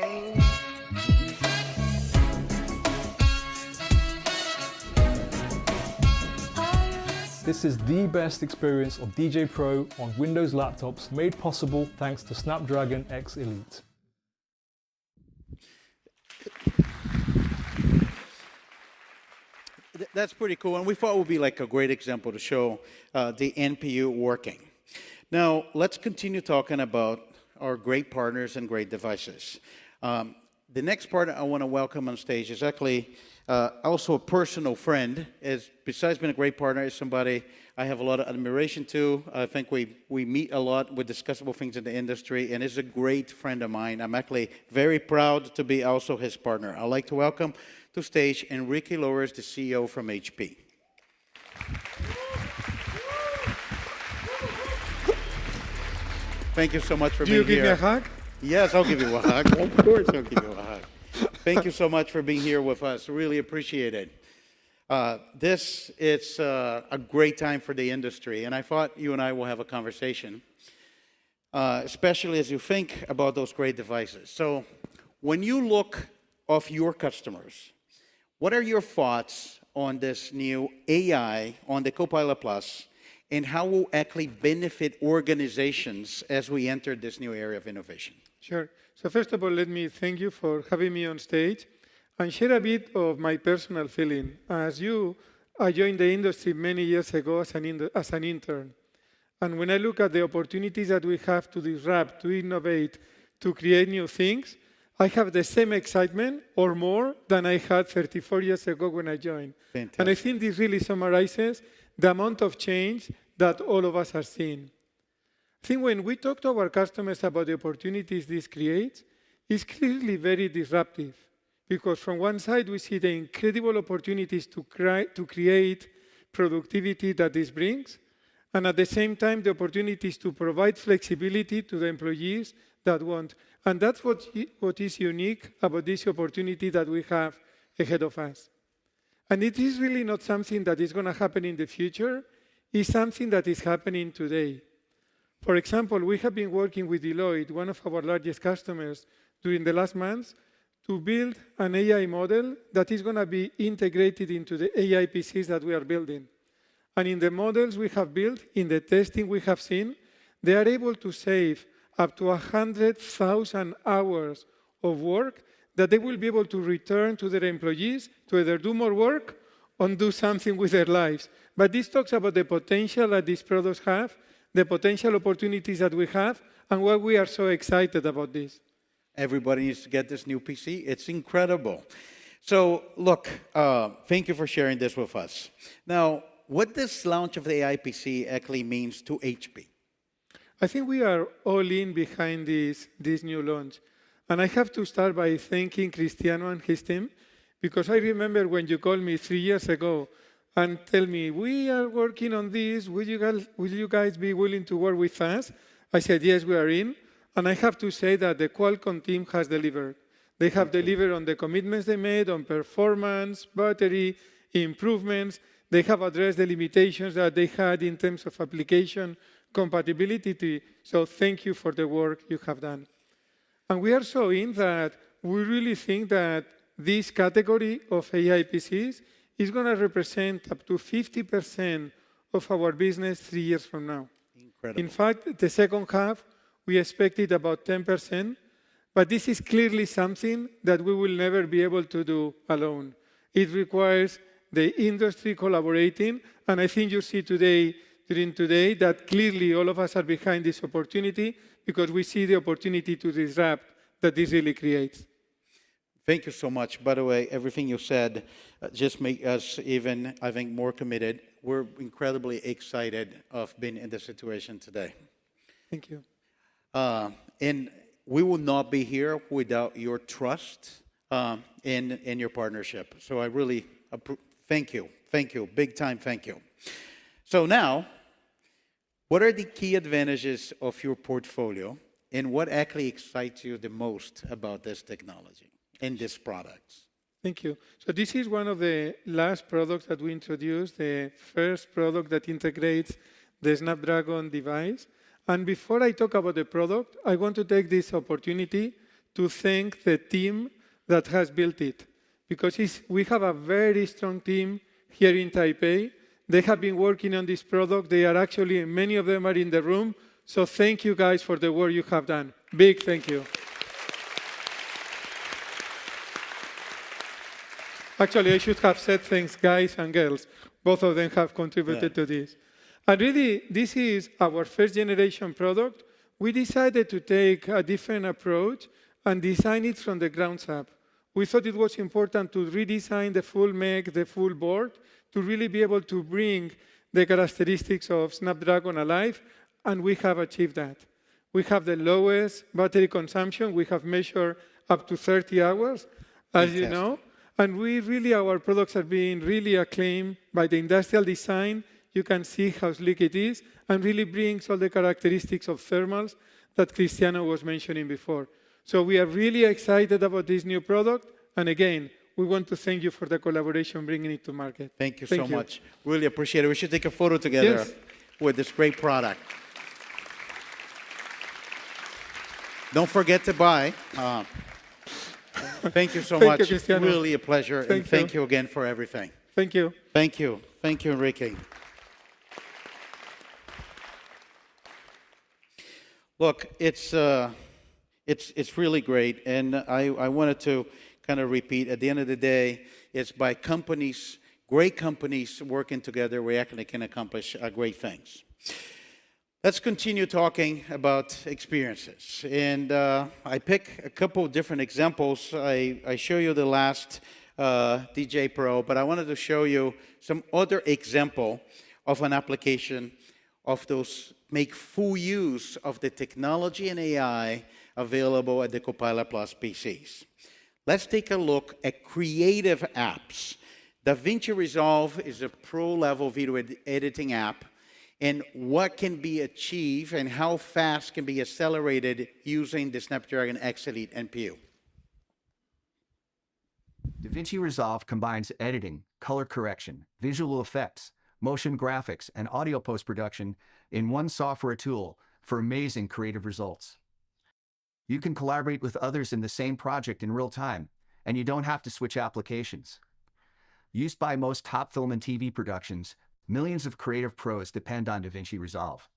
This is the best experience of djay Pro on Windows laptops, made possible thanks to Snapdragon X Elite. That, that's pretty cool, and we thought it would be, like, a great example to show the NPU working. Now, let's continue talking about our great partners and great devices. The next partner I wanna welcome on stage is actually also a personal friend. Besides being a great partner, he's somebody I have a lot of admiration to. I think we, we meet a lot. We discuss about things in the industry, and he's a great friend of mine. I'm actually very proud to be also his partner. I'd like to welcome to stage Enrique Lores, the CEO from HP. Thank you so much for being here. Do you give me a hug? Yes, I'll give you a hug. Of course, I'll give you a hug. Thank you so much for being here with us, really appreciate it. This is a great time for the industry, and I thought you and I will have a conversation, especially as you think about those great devices. So when you look of your customers, what are your thoughts on this new AI, on the Copilot+, and how will it actually benefit organizations as we enter this new area of innovation? Sure. So first of all, let me thank you for having me on stage and share a bit of my personal feeling. As you, I joined the industry many years ago as an intern, and when I look at the opportunities that we have to disrupt, to innovate, to create new things, I have the same excitement or more than I had 34 years ago when I joined. Fantastic. I think this really summarizes the amount of change that all of us are seeing. I think when we talk to our customers about the opportunities this creates, it's clearly very disruptive. Because from one side, we see the incredible opportunities to create productivity that this brings, and at the same time, the opportunities to provide flexibility to the employees that want. That's what is unique about this opportunity that we have ahead of us, and it is really not something that is gonna happen in the future. It's something that is happening today. For example, we have been working with Deloitte, one of our largest customers, during the last months to build an AI model that is gonna be integrated into the AI PCs that we are building. And in the models we have built, in the testing we have seen, they are able to save up to 100,000 hours of work that they will be able to return to their employees to either do more work or do something with their lives. But this talks about the potential that these products have, the potential opportunities that we have, and why we are so excited about this. Everybody needs to get this new PC. It's incredible. So look, thank you for sharing this with us. Now, what this launch of the AI PC actually means to HP? I think we are all in behind this, this new launch, and I have to start by thanking Cristiano and his team, because I remember when you called me three years ago and tell me, "We are working on this. Would you guys, would you guys be willing to work with us?" I said, "Yes, we are in." And I have to say that the Qualcomm team has delivered. Thank you. They have delivered on the commitments they made on performance, battery, improvements. They have addressed the limitations that they had in terms of application compatibility. Thank you for the work you have done. We are so in that we really think that this category of AI PCs is gonna represent up to 50% of our business three years from now. Incredible. In fact, the second half, we expected about 10%, but this is clearly something that we will never be able to do alone. It requires the industry collaborating, and I think you see today, during today, that clearly all of us are behind this opportunity because we see the opportunity to disrupt that this really creates. Thank you so much. By the way, everything you said, just make us even, I think, more committed. We're incredibly excited of being in this situation today. Thank you. And we would not be here without your trust, and your partnership, so I really appreciate. Thank you. Thank you. Big time, thank you. So now, what are the key advantages of your portfolio, and what actually excites you the most about this technology and this product?... Thank you. So this is one of the last products that we introduced, the first product that integrates the Snapdragon device. Before I talk about the product, I want to take this opportunity to thank the team that has built it, because it's, we have a very strong team here in Taipei. They have been working on this product. They are actually, many of them are in the room, so thank you, guys, for the work you have done. Big thank you. Actually, I should have said, "Thanks, guys and girls." Both of them have contributed to this. Yeah. Really, this is our first-generation product. We decided to take a different approach and design it from the ground up. We thought it was important to redesign the full make, the full board, to really be able to bring the characteristics of Snapdragon alive, and we have achieved that. We have the lowest battery consumption. We have measured up to 30 hours, as you know. Fantastic. We really, our products are being really acclaimed by the industrial design. You can see how slick it is, and really brings all the characteristics of thermals that Cristiano was mentioning before. We are really excited about this new product, and again, we want to thank you for the collaboration, bringing it to market. Thank you so much. Thank you. Really appreciate it. We should take a photo together- Yes... with this great product. Don't forget to buy. Thank you so much. Thank you, Cristiano. It's really a pleasure. Thank you. Thank you again for everything. Thank you. Thank you. Thank you, Enrique. Look, it's, it's really great, and I wanted to kind of repeat, at the end of the day, it's by companies, great companies working together, we actually can accomplish great things. Let's continue talking about experiences, and I pick a couple of different examples. I show you the last, djay Pro, but I wanted to show you some other example of an application of those make full use of the technology and AI available at the Copilot+ PCs. Let's take a look at creative apps. DaVinci Resolve is a pro-level video editing app, and what can be achieved and how fast can be accelerated using the Snapdragon X Elite NPU. DaVinci Resolve combines editing, color correction, visual effects, motion graphics, and audio post-production in one software tool for amazing creative results. You can collaborate with others in the same project in real time, and you don't have to switch applications. Used by most top film and TV productions, millions of creative pros depend on DaVinci Resolve.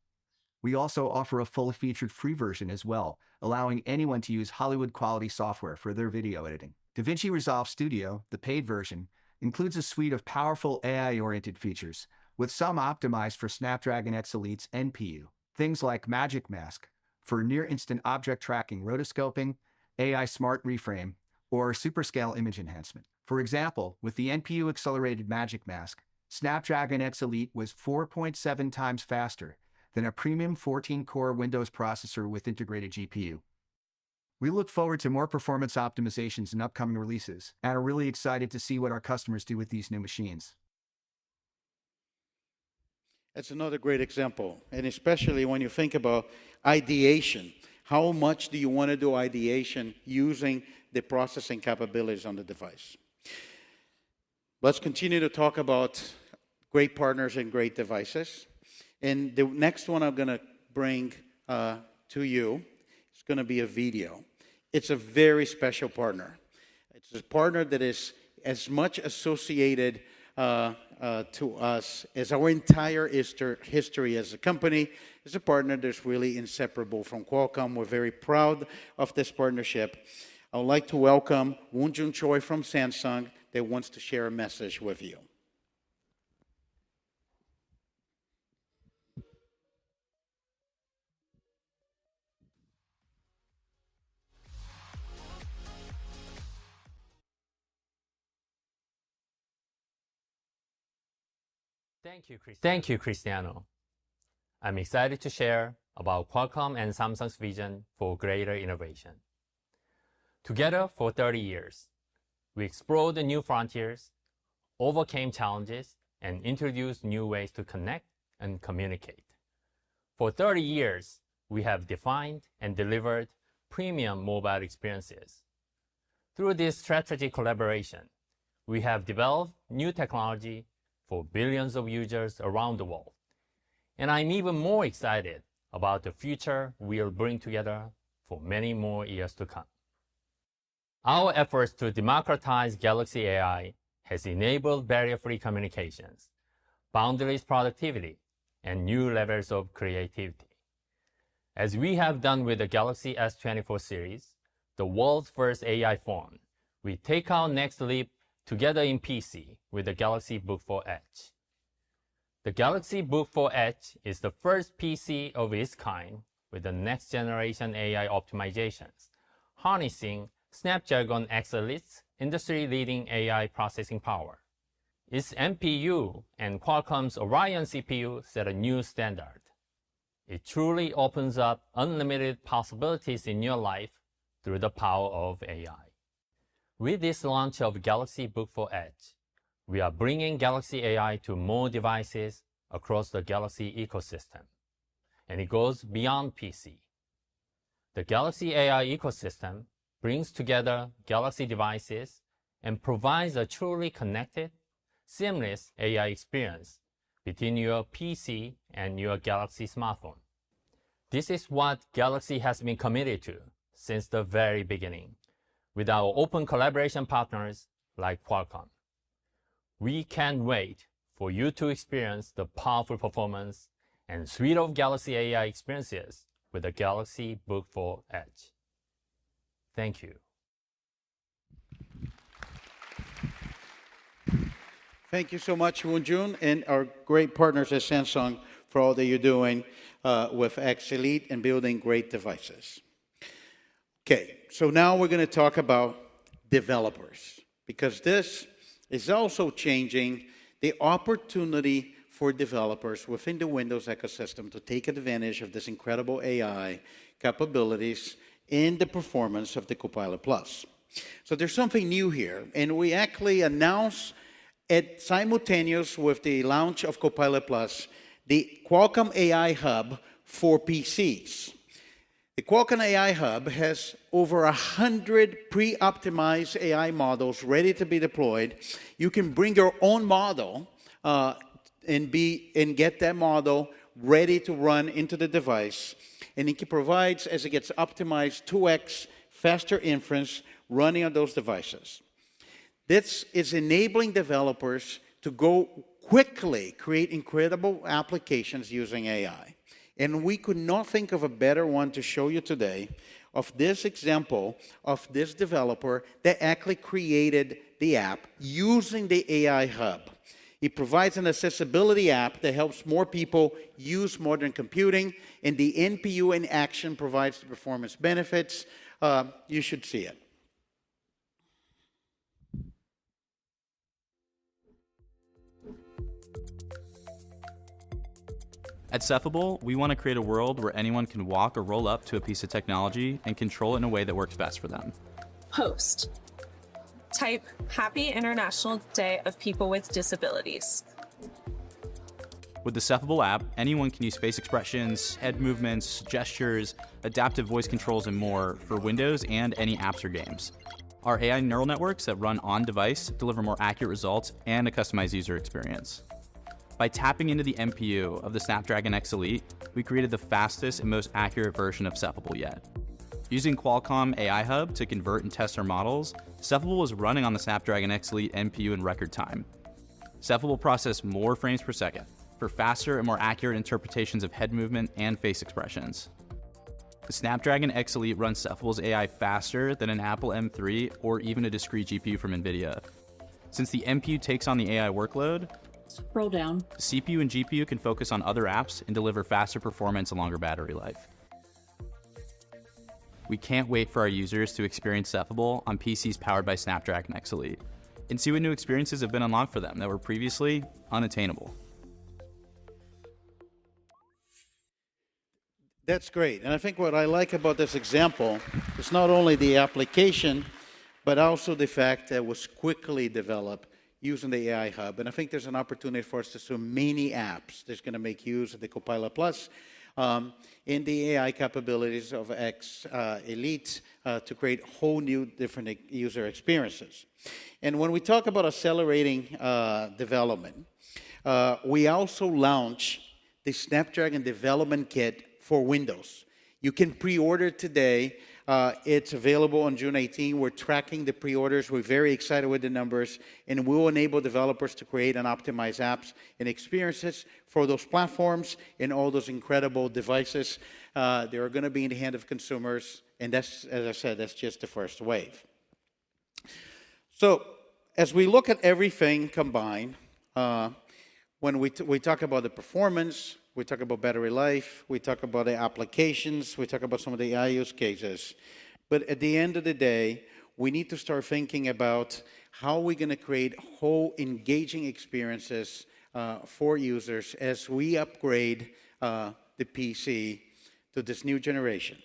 We also offer a fully featured free version as well, allowing anyone to use Hollywood-quality software for their video editing. DaVinci Resolve Studio, the paid version, includes a suite of powerful AI-oriented features, with some optimized for Snapdragon X Elite's NPU. Things like Magic Mask for near-instant object tracking, rotoscoping, AI smart reframe, or super scale image enhancement. For example, with the NPU-accelerated Magic Mask, Snapdragon X Elite was 4.7 times faster than a premium 14-core Windows processor with integrated GPU. We look forward to more performance optimizations in upcoming releases and are really excited to see what our customers do with these new machines. That's another great example, and especially when you think about ideation. How much do you wanna do ideation using the processing capabilities on the device? Let's continue to talk about great partners and great devices, and the next one I'm gonna bring to you is gonna be a video. It's a very special partner. It's a partner that is as much associated to us as our entire history as a company. It's a partner that's really inseparable from Qualcomm. We're very proud of this partnership. I would like to welcome Won-Joon Choi from Samsung that wants to share a message with you. Thank you, Cristiano. I'm excited to share about Qualcomm and Samsung's vision for greater innovation. Together for 30 years, we explored the new frontiers, overcame challenges, and introduced new ways to connect and communicate. For 30 years, we have defined and delivered premium mobile experiences. Through this strategic collaboration, we have developed new technology for billions of users around the world, and I'm even more excited about the future we'll bring together for many more years to come. Our efforts to democratize Galaxy AI has enabled barrier-free communications, boundless productivity, and new levels of creativity. As we have done with the Galaxy S24 series, the world's first AI phone, we take our next leap together in PC with the Galaxy Book4 Edge. The Galaxy Book4 Edge is the first PC of its kind with the next-generation AI optimizations, harnessing Snapdragon X Elite's industry-leading AI processing power. Its NPU and Qualcomm's Oryon CPU set a new standard. It truly opens up unlimited possibilities in your life through the power of AI. With this launch of Galaxy Book4 Edge, we are bringing Galaxy AI to more devices across the Galaxy ecosystem, and it goes beyond PC. The Galaxy AI ecosystem brings together Galaxy devices and provides a truly connected, seamless AI experience between your PC and your Galaxy smartphone. This is what Galaxy has been committed to since the very beginning with our open collaboration partners like Qualcomm. We can't wait for you to experience the powerful performance and suite of Galaxy AI experiences with the Galaxy Book4 Edge. Thank you. Thank you so much, Won-Joon, and our great partners at Samsung for all that you're doing with X Elite and building great devices. Okay, so now we're gonna talk about developers, because this is also changing the opportunity for developers within the Windows ecosystem to take advantage of this incredible AI capabilities and the performance of the Copilot+. So there's something new here, and we actually announce at simultaneous with the launch of Copilot+, the Qualcomm AI Hub for PCs. The Qualcomm AI Hub has over 100 pre-optimized AI models ready to be deployed. You can bring your own model and get that model ready to run into the device, and it provides, as it gets optimized, 2x faster inference running on those devices. This is enabling developers to go quickly create incredible applications using AI, and we could not think of a better one to show you today of this example of this developer that actually created the app using the AI Hub. It provides an accessibility app that helps more people use modern computing, and the NPU in action provides the performance benefits. You should see it. At Cephable, we want to create a world where anyone can walk or roll up to a piece of technology and control it in a way that works best for them. Post. Type, "Happy International Day of People with Disabilities. With the Cephable app, anyone can use face expressions, head movements, gestures, adaptive voice controls, and more for Windows and any apps or games. Our AI neural networks that run on device deliver more accurate results and a customized user experience. By tapping into the NPU of the Snapdragon X Elite, we created the fastest and most accurate version of Cephable yet. Using Qualcomm AI Hub to convert and test our models, Cephable was running on the Snapdragon X Elite NPU in record time. Cephable will process more frames per second for faster and more accurate interpretations of head movement and face expressions. The Snapdragon X Elite runs Cephable's AI faster than an Apple M3 or even a discrete GPU from NVIDIA. Since the NPU takes on the AI workload- Scroll down... CPU and GPU can focus on other apps and deliver faster performance and longer battery life. We can't wait for our users to experience Cephable on PCs powered by Snapdragon X Elite and see what new experiences have been unlocked for them that were previously unattainable. That's great, and I think what I like about this example is not only the application, but also the fact that it was quickly developed using the AI Hub. And I think there's an opportunity for us to see many apps that's gonna make use of the Copilot+ and the AI capabilities of X Elite to create whole new different user experiences. And when we talk about accelerating development, we also launch the Snapdragon Development Kit for Windows. You can pre-order today. It's available on June 18. We're tracking the pre-orders. We're very excited with the numbers, and we will enable developers to create and optimize apps and experiences for those platforms and all those incredible devices. They are gonna be in the hand of consumers, and that's, as I said, that's just the first wave. So as we look at everything combined, when we talk about the performance, we talk about battery life, we talk about the applications, we talk about some of the AI use cases, but at the end of the day, we need to start thinking about how are we gonna create whole engaging experiences for users as we upgrade the PC to this new generation?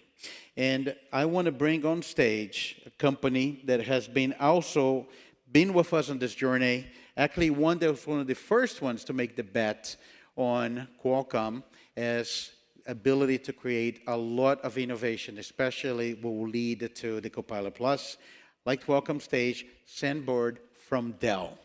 And I wanna bring on stage a company that has also been with us on this journey. Actually, one of the first ones to make the bet on Qualcomm's ability to create a lot of innovation, especially what will lead to the Copilot+. I'd like to welcome to the stage Sam Burd from Dell.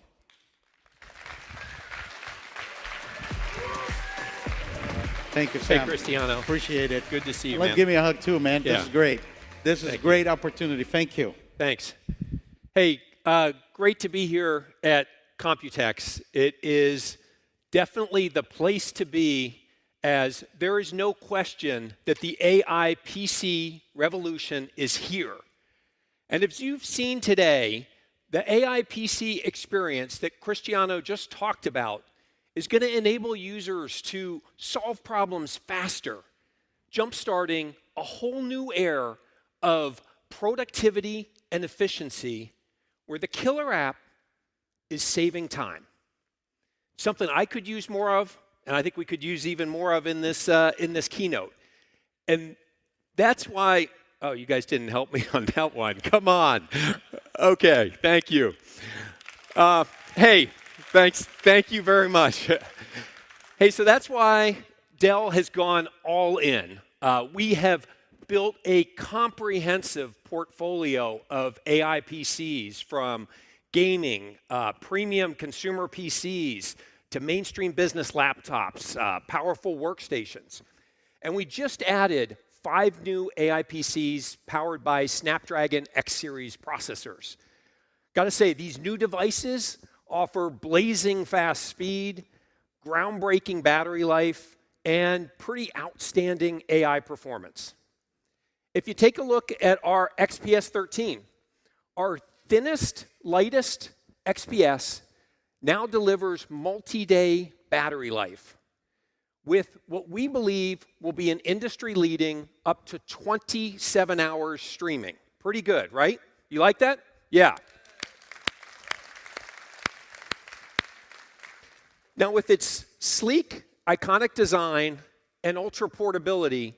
Thank you, Sam Burd. Hey, Cristiano. Appreciate it. Good to see you, man. Well, give me a hug too, man. Yeah. This is great. Thank you. This is a great opportunity. Thank you. Thanks. Hey, great to be here at COMPUTEX. It is definitely the place to be, as there is no question that the AI PC revolution is here. And as you've seen today, the AI PC experience that Cristiano just talked about is gonna enable users to solve problems faster, jumpstarting a whole new era of productivity and efficiency, where the killer app is saving time. Something I could use more of, and I think we could use even more of in this, in this keynote, and that's why... Oh, you guys didn't help me on that one. Come on! Okay, thank you... Hey, thanks. Thank you very much. Hey, so that's why Dell has gone all in. We have built a comprehensive portfolio of AI PCs, from gaming, premium consumer PCs, to mainstream business laptops, powerful workstations. We just added five new AI PCs powered by Snapdragon X Series processors. Gotta say, these new devices offer blazing fast speed, groundbreaking battery life, and pretty outstanding AI performance. If you take a look at our XPS 13, our thinnest, lightest XPS now delivers multi-day battery life with what we believe will be an industry-leading, up to 27 hours streaming. Pretty good, right? You like that? Yeah. Now, with its sleek, iconic design and ultra portability,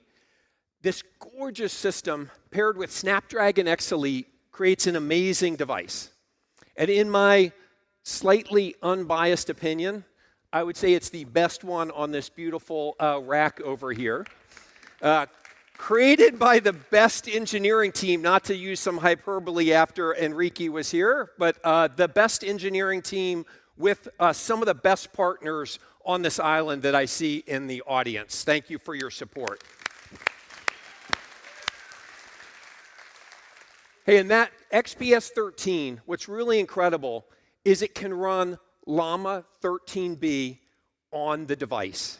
this gorgeous system, paired with Snapdragon X Elite, creates an amazing device. And in my slightly unbiased opinion, I would say it's the best one on this beautiful, rack over here. Created by the best engineering team, not to use some hyperbole after Enrique was here, but, the best engineering team with, some of the best partners on this island that I see in the audience. Thank you for your support. Hey, and that XPS 13, what's really incredible is it can run Llama 13B on the device.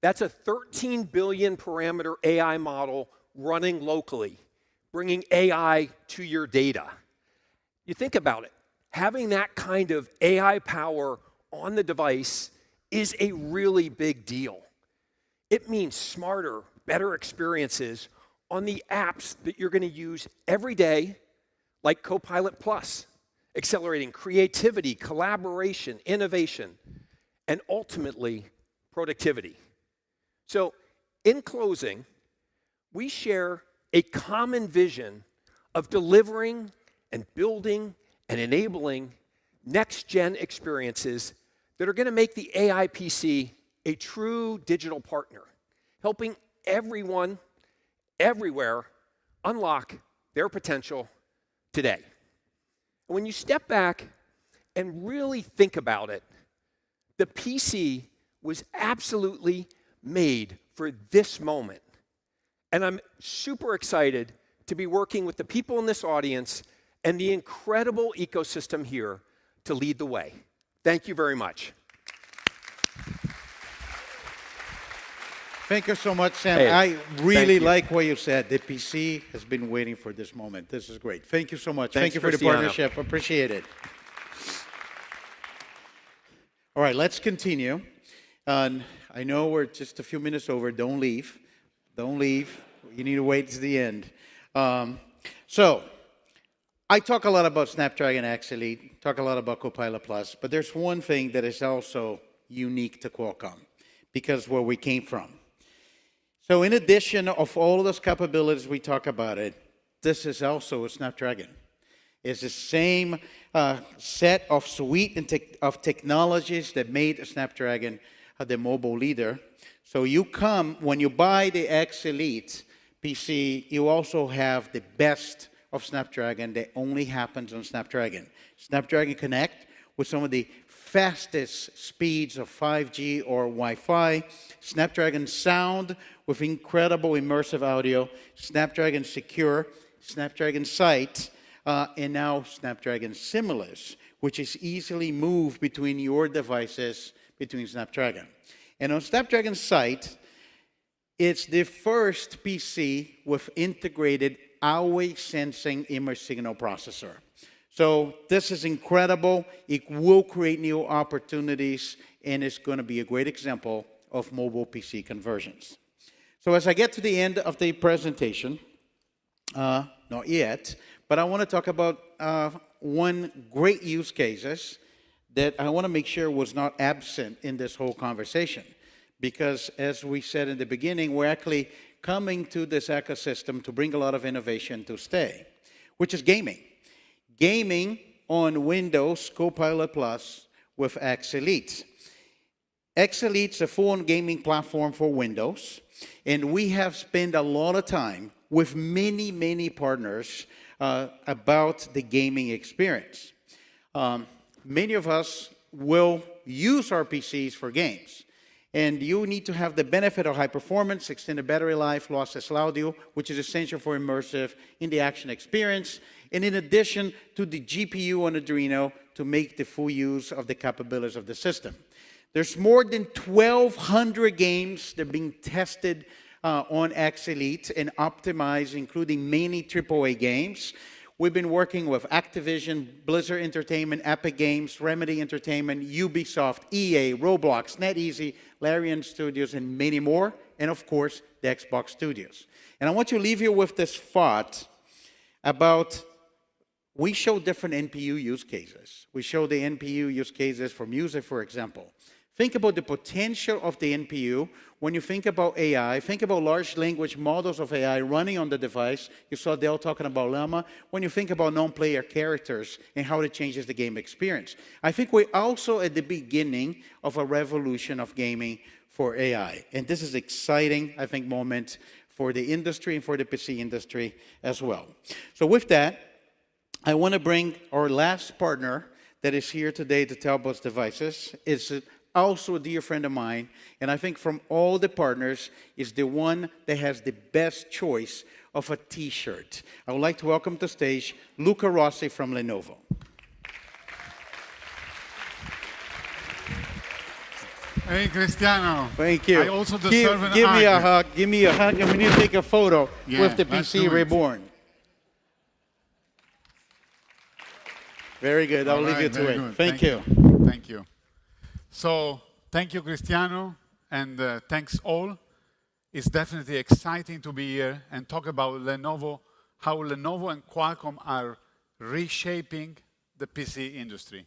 That's a 13 billion parameter AI model running locally, bringing AI to your data. You think about it, having that kind of AI power on the device is a really big deal. It means smarter, better experiences on the apps that you're gonna use every day, like Copilot+, accelerating creativity, collaboration, innovation, and ultimately, productivity. So in closing, we share a common vision of delivering, and building, and enabling next gen experiences that are gonna make the AI PC a true digital partner, helping everyone, everywhere, unlock their potential today. When you step back and really think about it, the PC was absolutely made for this moment, and I'm super excited to be working with the people in this audience and the incredible ecosystem here to lead the way. Thank you very much. Thank you so much, Sam. Hey, thank you. I really like what you said, "The PC has been waiting for this moment." This is great. Thank you so much. Thanks for the partnership. Thank you for the partnership. Appreciate it. All right, let's continue. I know we're just a few minutes over. Don't leave. Don't leave. You need to wait till the end. I talk a lot about Snapdragon X Elite, talk a lot about Copilot+, but there's one thing that is also unique to Qualcomm, because where we came from. In addition of all those capabilities we talk about it, this is also a Snapdragon. It's the same set of suite and of technologies that made Snapdragon the mobile leader. When you buy the X Elite PC, you also have the best of Snapdragon that only happens on Snapdragon. Snapdragon Connect, with some of the fastest speeds of 5G or Wi-Fi. Snapdragon Sound, with incredible immersive audio. Snapdragon Secure, Snapdragon Sight, and now Snapdragon Seamless, which is easily moved between your devices, between Snapdragon. And on Snapdragon Sight, it's the first PC with integrated always-sensing image signal processor. So this is incredible. It will create new opportunities, and it's gonna be a great example of mobile PC conversions. So as I get to the end of the presentation, not yet, but I wanna talk about, one great use cases that I wanna make sure was not absent in this whole conversation. Because, as we said in the beginning, we're actually coming to this ecosystem to bring a lot of innovation to stay, which is gaming. Gaming on Windows Copilot+ with X Elite. X Elite's a full-on gaming platform for Windows, and we have spent a lot of time with many, many partners, about the gaming experience. Many of us will use our PCs for games, and you need to have the benefit of high performance, extended battery life, lossless audio, which is essential for immersive in the action experience, and in addition to the GPU on Adreno, to make the full use of the capabilities of the system. There's more than 1,200 games that are being tested on X Elite and optimized, including many AAA games. We've been working with Activision, Blizzard Entertainment, Epic Games, Remedy Entertainment, Ubisoft, EA, Roblox, NetEase, Larian Studios, and many more, and of course, the Xbox Studios. And I want to leave you with this thought about-... We show different NPU use cases. We show the NPU use cases for music, for example. Think about the potential of the NPU when you think about AI. Think about large language models of AI running on the device. You saw Dell talking about Llama. When you think about non-player characters and how it changes the game experience. I think we're also at the beginning of a revolution of gaming for AI, and this is exciting, I think, moment for the industry and for the PC industry as well. So with that, I wanna bring our last partner that is here today to tell us about devices. He is also a dear friend of mine, and I think from all the partners, he is the one that has the best choice of a T-shirt. I would like to welcome to the stage Luca Rossi from Lenovo. Hey, Cristiano. Thank you. I also just serve an honor. Give, give me a hug. Give me a hug, and we need to take a photo- Yeah, absolutely. with the PC Reborn. Very good. All right. I'll leave you to it. Very good. Thank you. Thank you. So thank you, Cristiano, and thanks all. It's definitely exciting to be here and talk about Lenovo, how Lenovo and Qualcomm are reshaping the PC industry.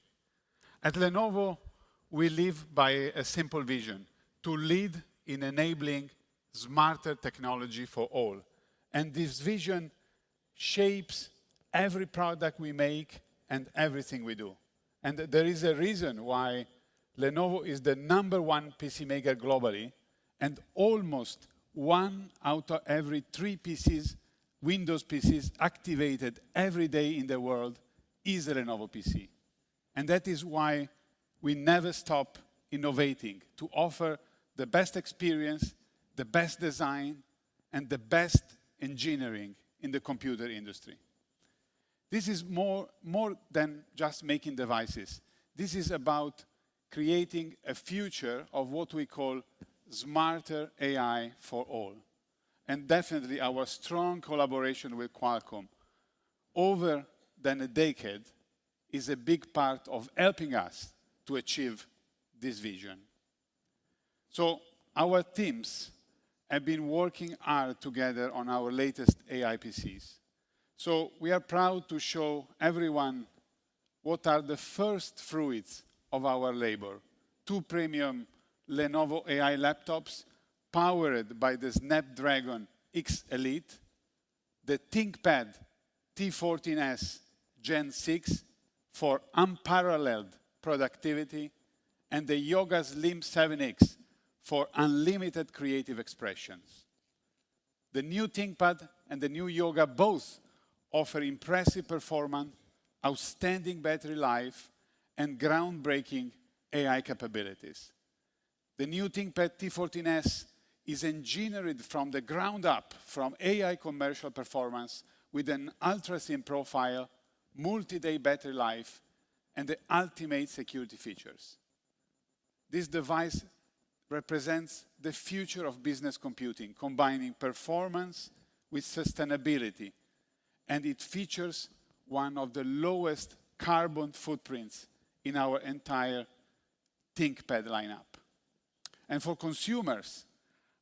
At Lenovo, we live by a simple vision: to lead in enabling smarter technology for all, and this vision shapes every product we make and everything we do. And there is a reason why Lenovo is the number one PC maker globally, and almost one out of every three PCs, Windows PCs, activated every day in the world is a Lenovo PC. And that is why we never stop innovating to offer the best experience, the best design, and the best engineering in the computer industry. This is more, more than just making devices. This is about creating a future of what we call smarter AI for all. Definitely, our strong collaboration with Qualcomm, more than a decade, is a big part of helping us to achieve this vision. Our teams have been working hard together on our latest AI PCs. We are proud to show everyone what are the first fruits of our labor, two premium Lenovo AI laptops powered by the Snapdragon X Elite, the ThinkPad T14s Gen 6 for unparalleled productivity, and the Yoga Slim 7x for unlimited creative expressions. The new ThinkPad and the new Yoga both offer impressive performance, outstanding battery life, and groundbreaking AI capabilities. The new ThinkPad T14s is engineered from the ground up from AI commercial performance with an ultra-slim profile, multi-day battery life, and the ultimate security features. This device represents the future of business computing, combining performance with sustainability, and it features one of the lowest carbon footprints in our entire ThinkPad lineup. For consumers,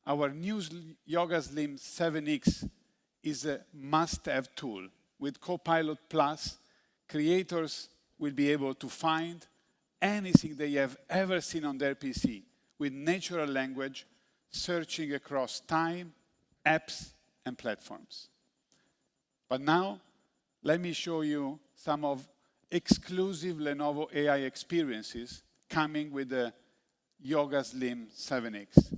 our new Yoga Slim 7x is a must-have tool. With Copilot+, creators will be able to find anything they have ever seen on their PC, with natural language searching across time, apps, and platforms. But now, let me show you some of exclusive Lenovo AI experiences coming with the Yoga Slim 7x.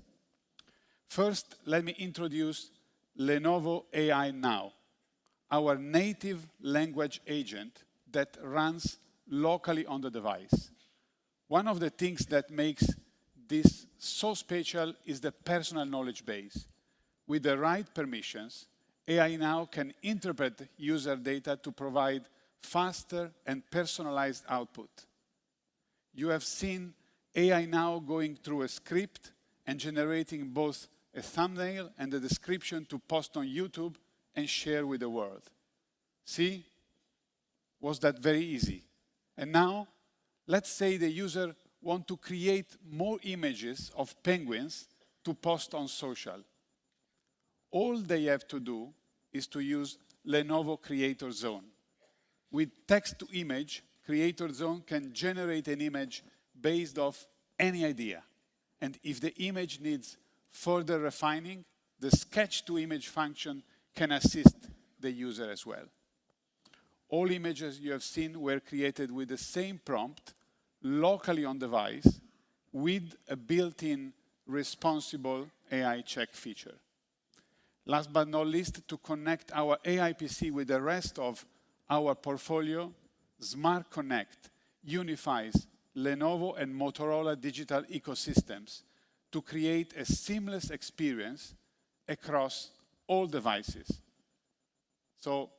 First, let me introduce Lenovo AI Now, our native language agent that runs locally on the device. One of the things that makes this so special is the personal knowledge base. With the right permissions, AI Now can interpret user data to provide faster and personalized output. You have seen AI Now going through a script and generating both a thumbnail and a description to post on YouTube and share with the world. See? Was that very easy? And now, let's say the user want to create more images of penguins to post on social. All they have to do is to use Lenovo Creator Zone. With text-to-image, Creator Zone can generate an image based off any idea, and if the image needs further refining, the sketch-to-image function can assist the user as well. All images you have seen were created with the same prompt, locally on device, with a built-in responsible AI check feature. Last but not least, to connect our AI PC with the rest of our portfolio, Smart Connect unifies Lenovo and Motorola digital ecosystems to create a seamless experience across all devices. So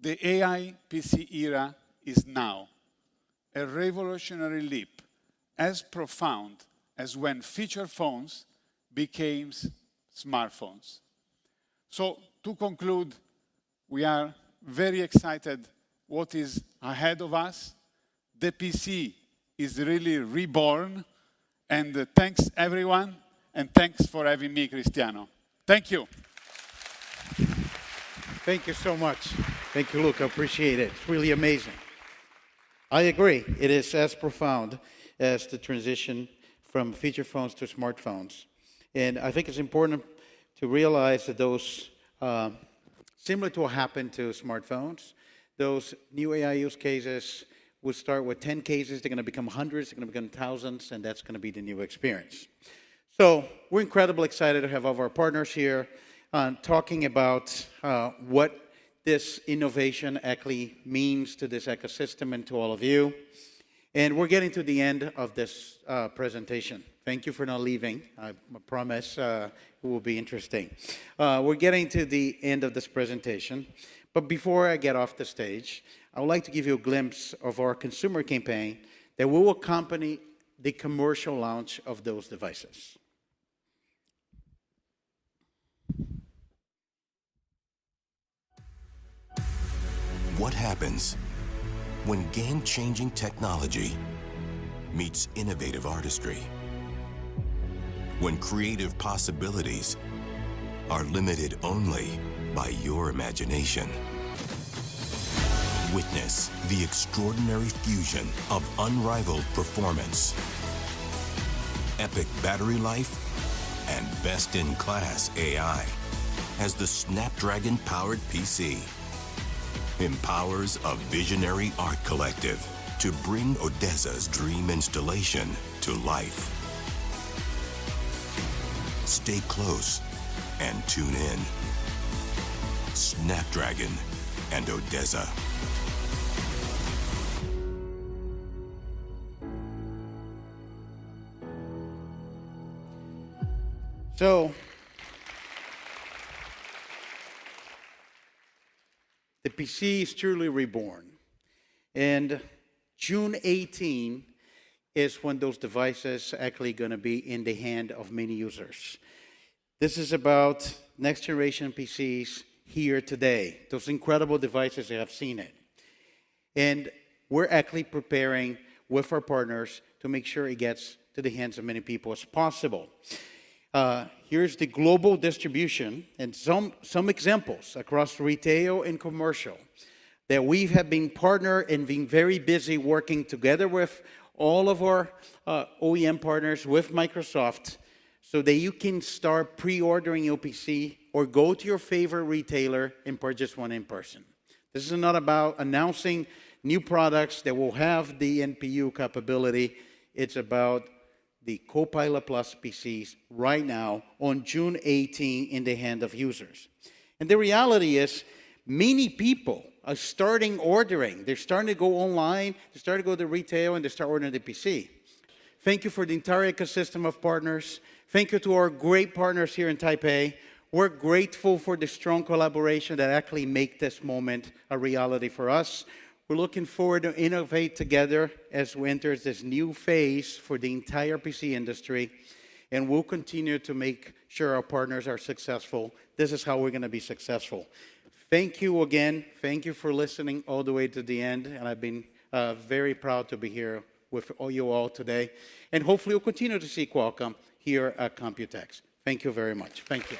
the AI PC era is now a revolutionary leap, as profound as when feature phones became smartphones. So to conclude, we are very excited what is ahead of us... The PC is really reborn, and, thanks everyone, and thanks for having me, Cristiano. Thank you. Thank you so much. Thank you, Luca. I appreciate it. It's really amazing. I agree, it is as profound as the transition from feature phones to smartphones, and I think it's important to realize that those, similar to what happened to smartphones, those new AI use cases will start with 10 cases. They're gonna become hundreds, they're gonna become thousands, and that's gonna be the new experience. So we're incredibly excited to have all of our partners here, talking about, what this innovation actually means to this ecosystem and to all of you. And we're getting to the end of this, presentation. Thank you for not leaving. I promise, it will be interesting. We're getting to the end of this presentation, but before I get off the stage, I would like to give you a glimpse of our consumer campaign that will accompany the commercial launch of those devices. What happens when game-changing technology meets innovative artistry? When creative possibilities are limited only by your imagination. Witness the extraordinary fusion of unrivaled performance, epic battery life, and best-in-class AI, as the Snapdragon-powered PC empowers a visionary art collective to bring ODESZA's dream installation to life. Stay close and tune in. Snapdragon and ODESZA. So, the PC is truly reborn, and June 18 is when those devices are actually gonna be in the hand of many users. This is about next-generation PCs here today, those incredible devices that I've seen it. And we're actually preparing with our partners to make sure it gets to the hands of many people as possible. Here's the global distribution and some examples across retail and commercial, that we have been partner and been very busy working together with all of our OEM partners, with Microsoft, so that you can start pre-ordering your PC or go to your favorite retailer and purchase one in person. This is not about announcing new products that will have the NPU capability. It's about the Copilot+ PCs right now on June 18 in the hand of users. And the reality is, many people are starting ordering. They're starting to go online, they're starting to go to retail, and they start ordering the PC. Thank you for the entire ecosystem of partners. Thank you to our great partners here in Taipei. We're grateful for the strong collaboration that actually make this moment a reality for us. We're looking forward to innovate together as we enter this new phase for the entire PC industry, and we'll continue to make sure our partners are successful. This is how we're gonna be successful. Thank you again. Thank you for listening all the way to the end, and I've been very proud to be here with all you all today. Hopefully we'll continue to seek welcome here at COMPUTEX. Thank you very much. Thank you.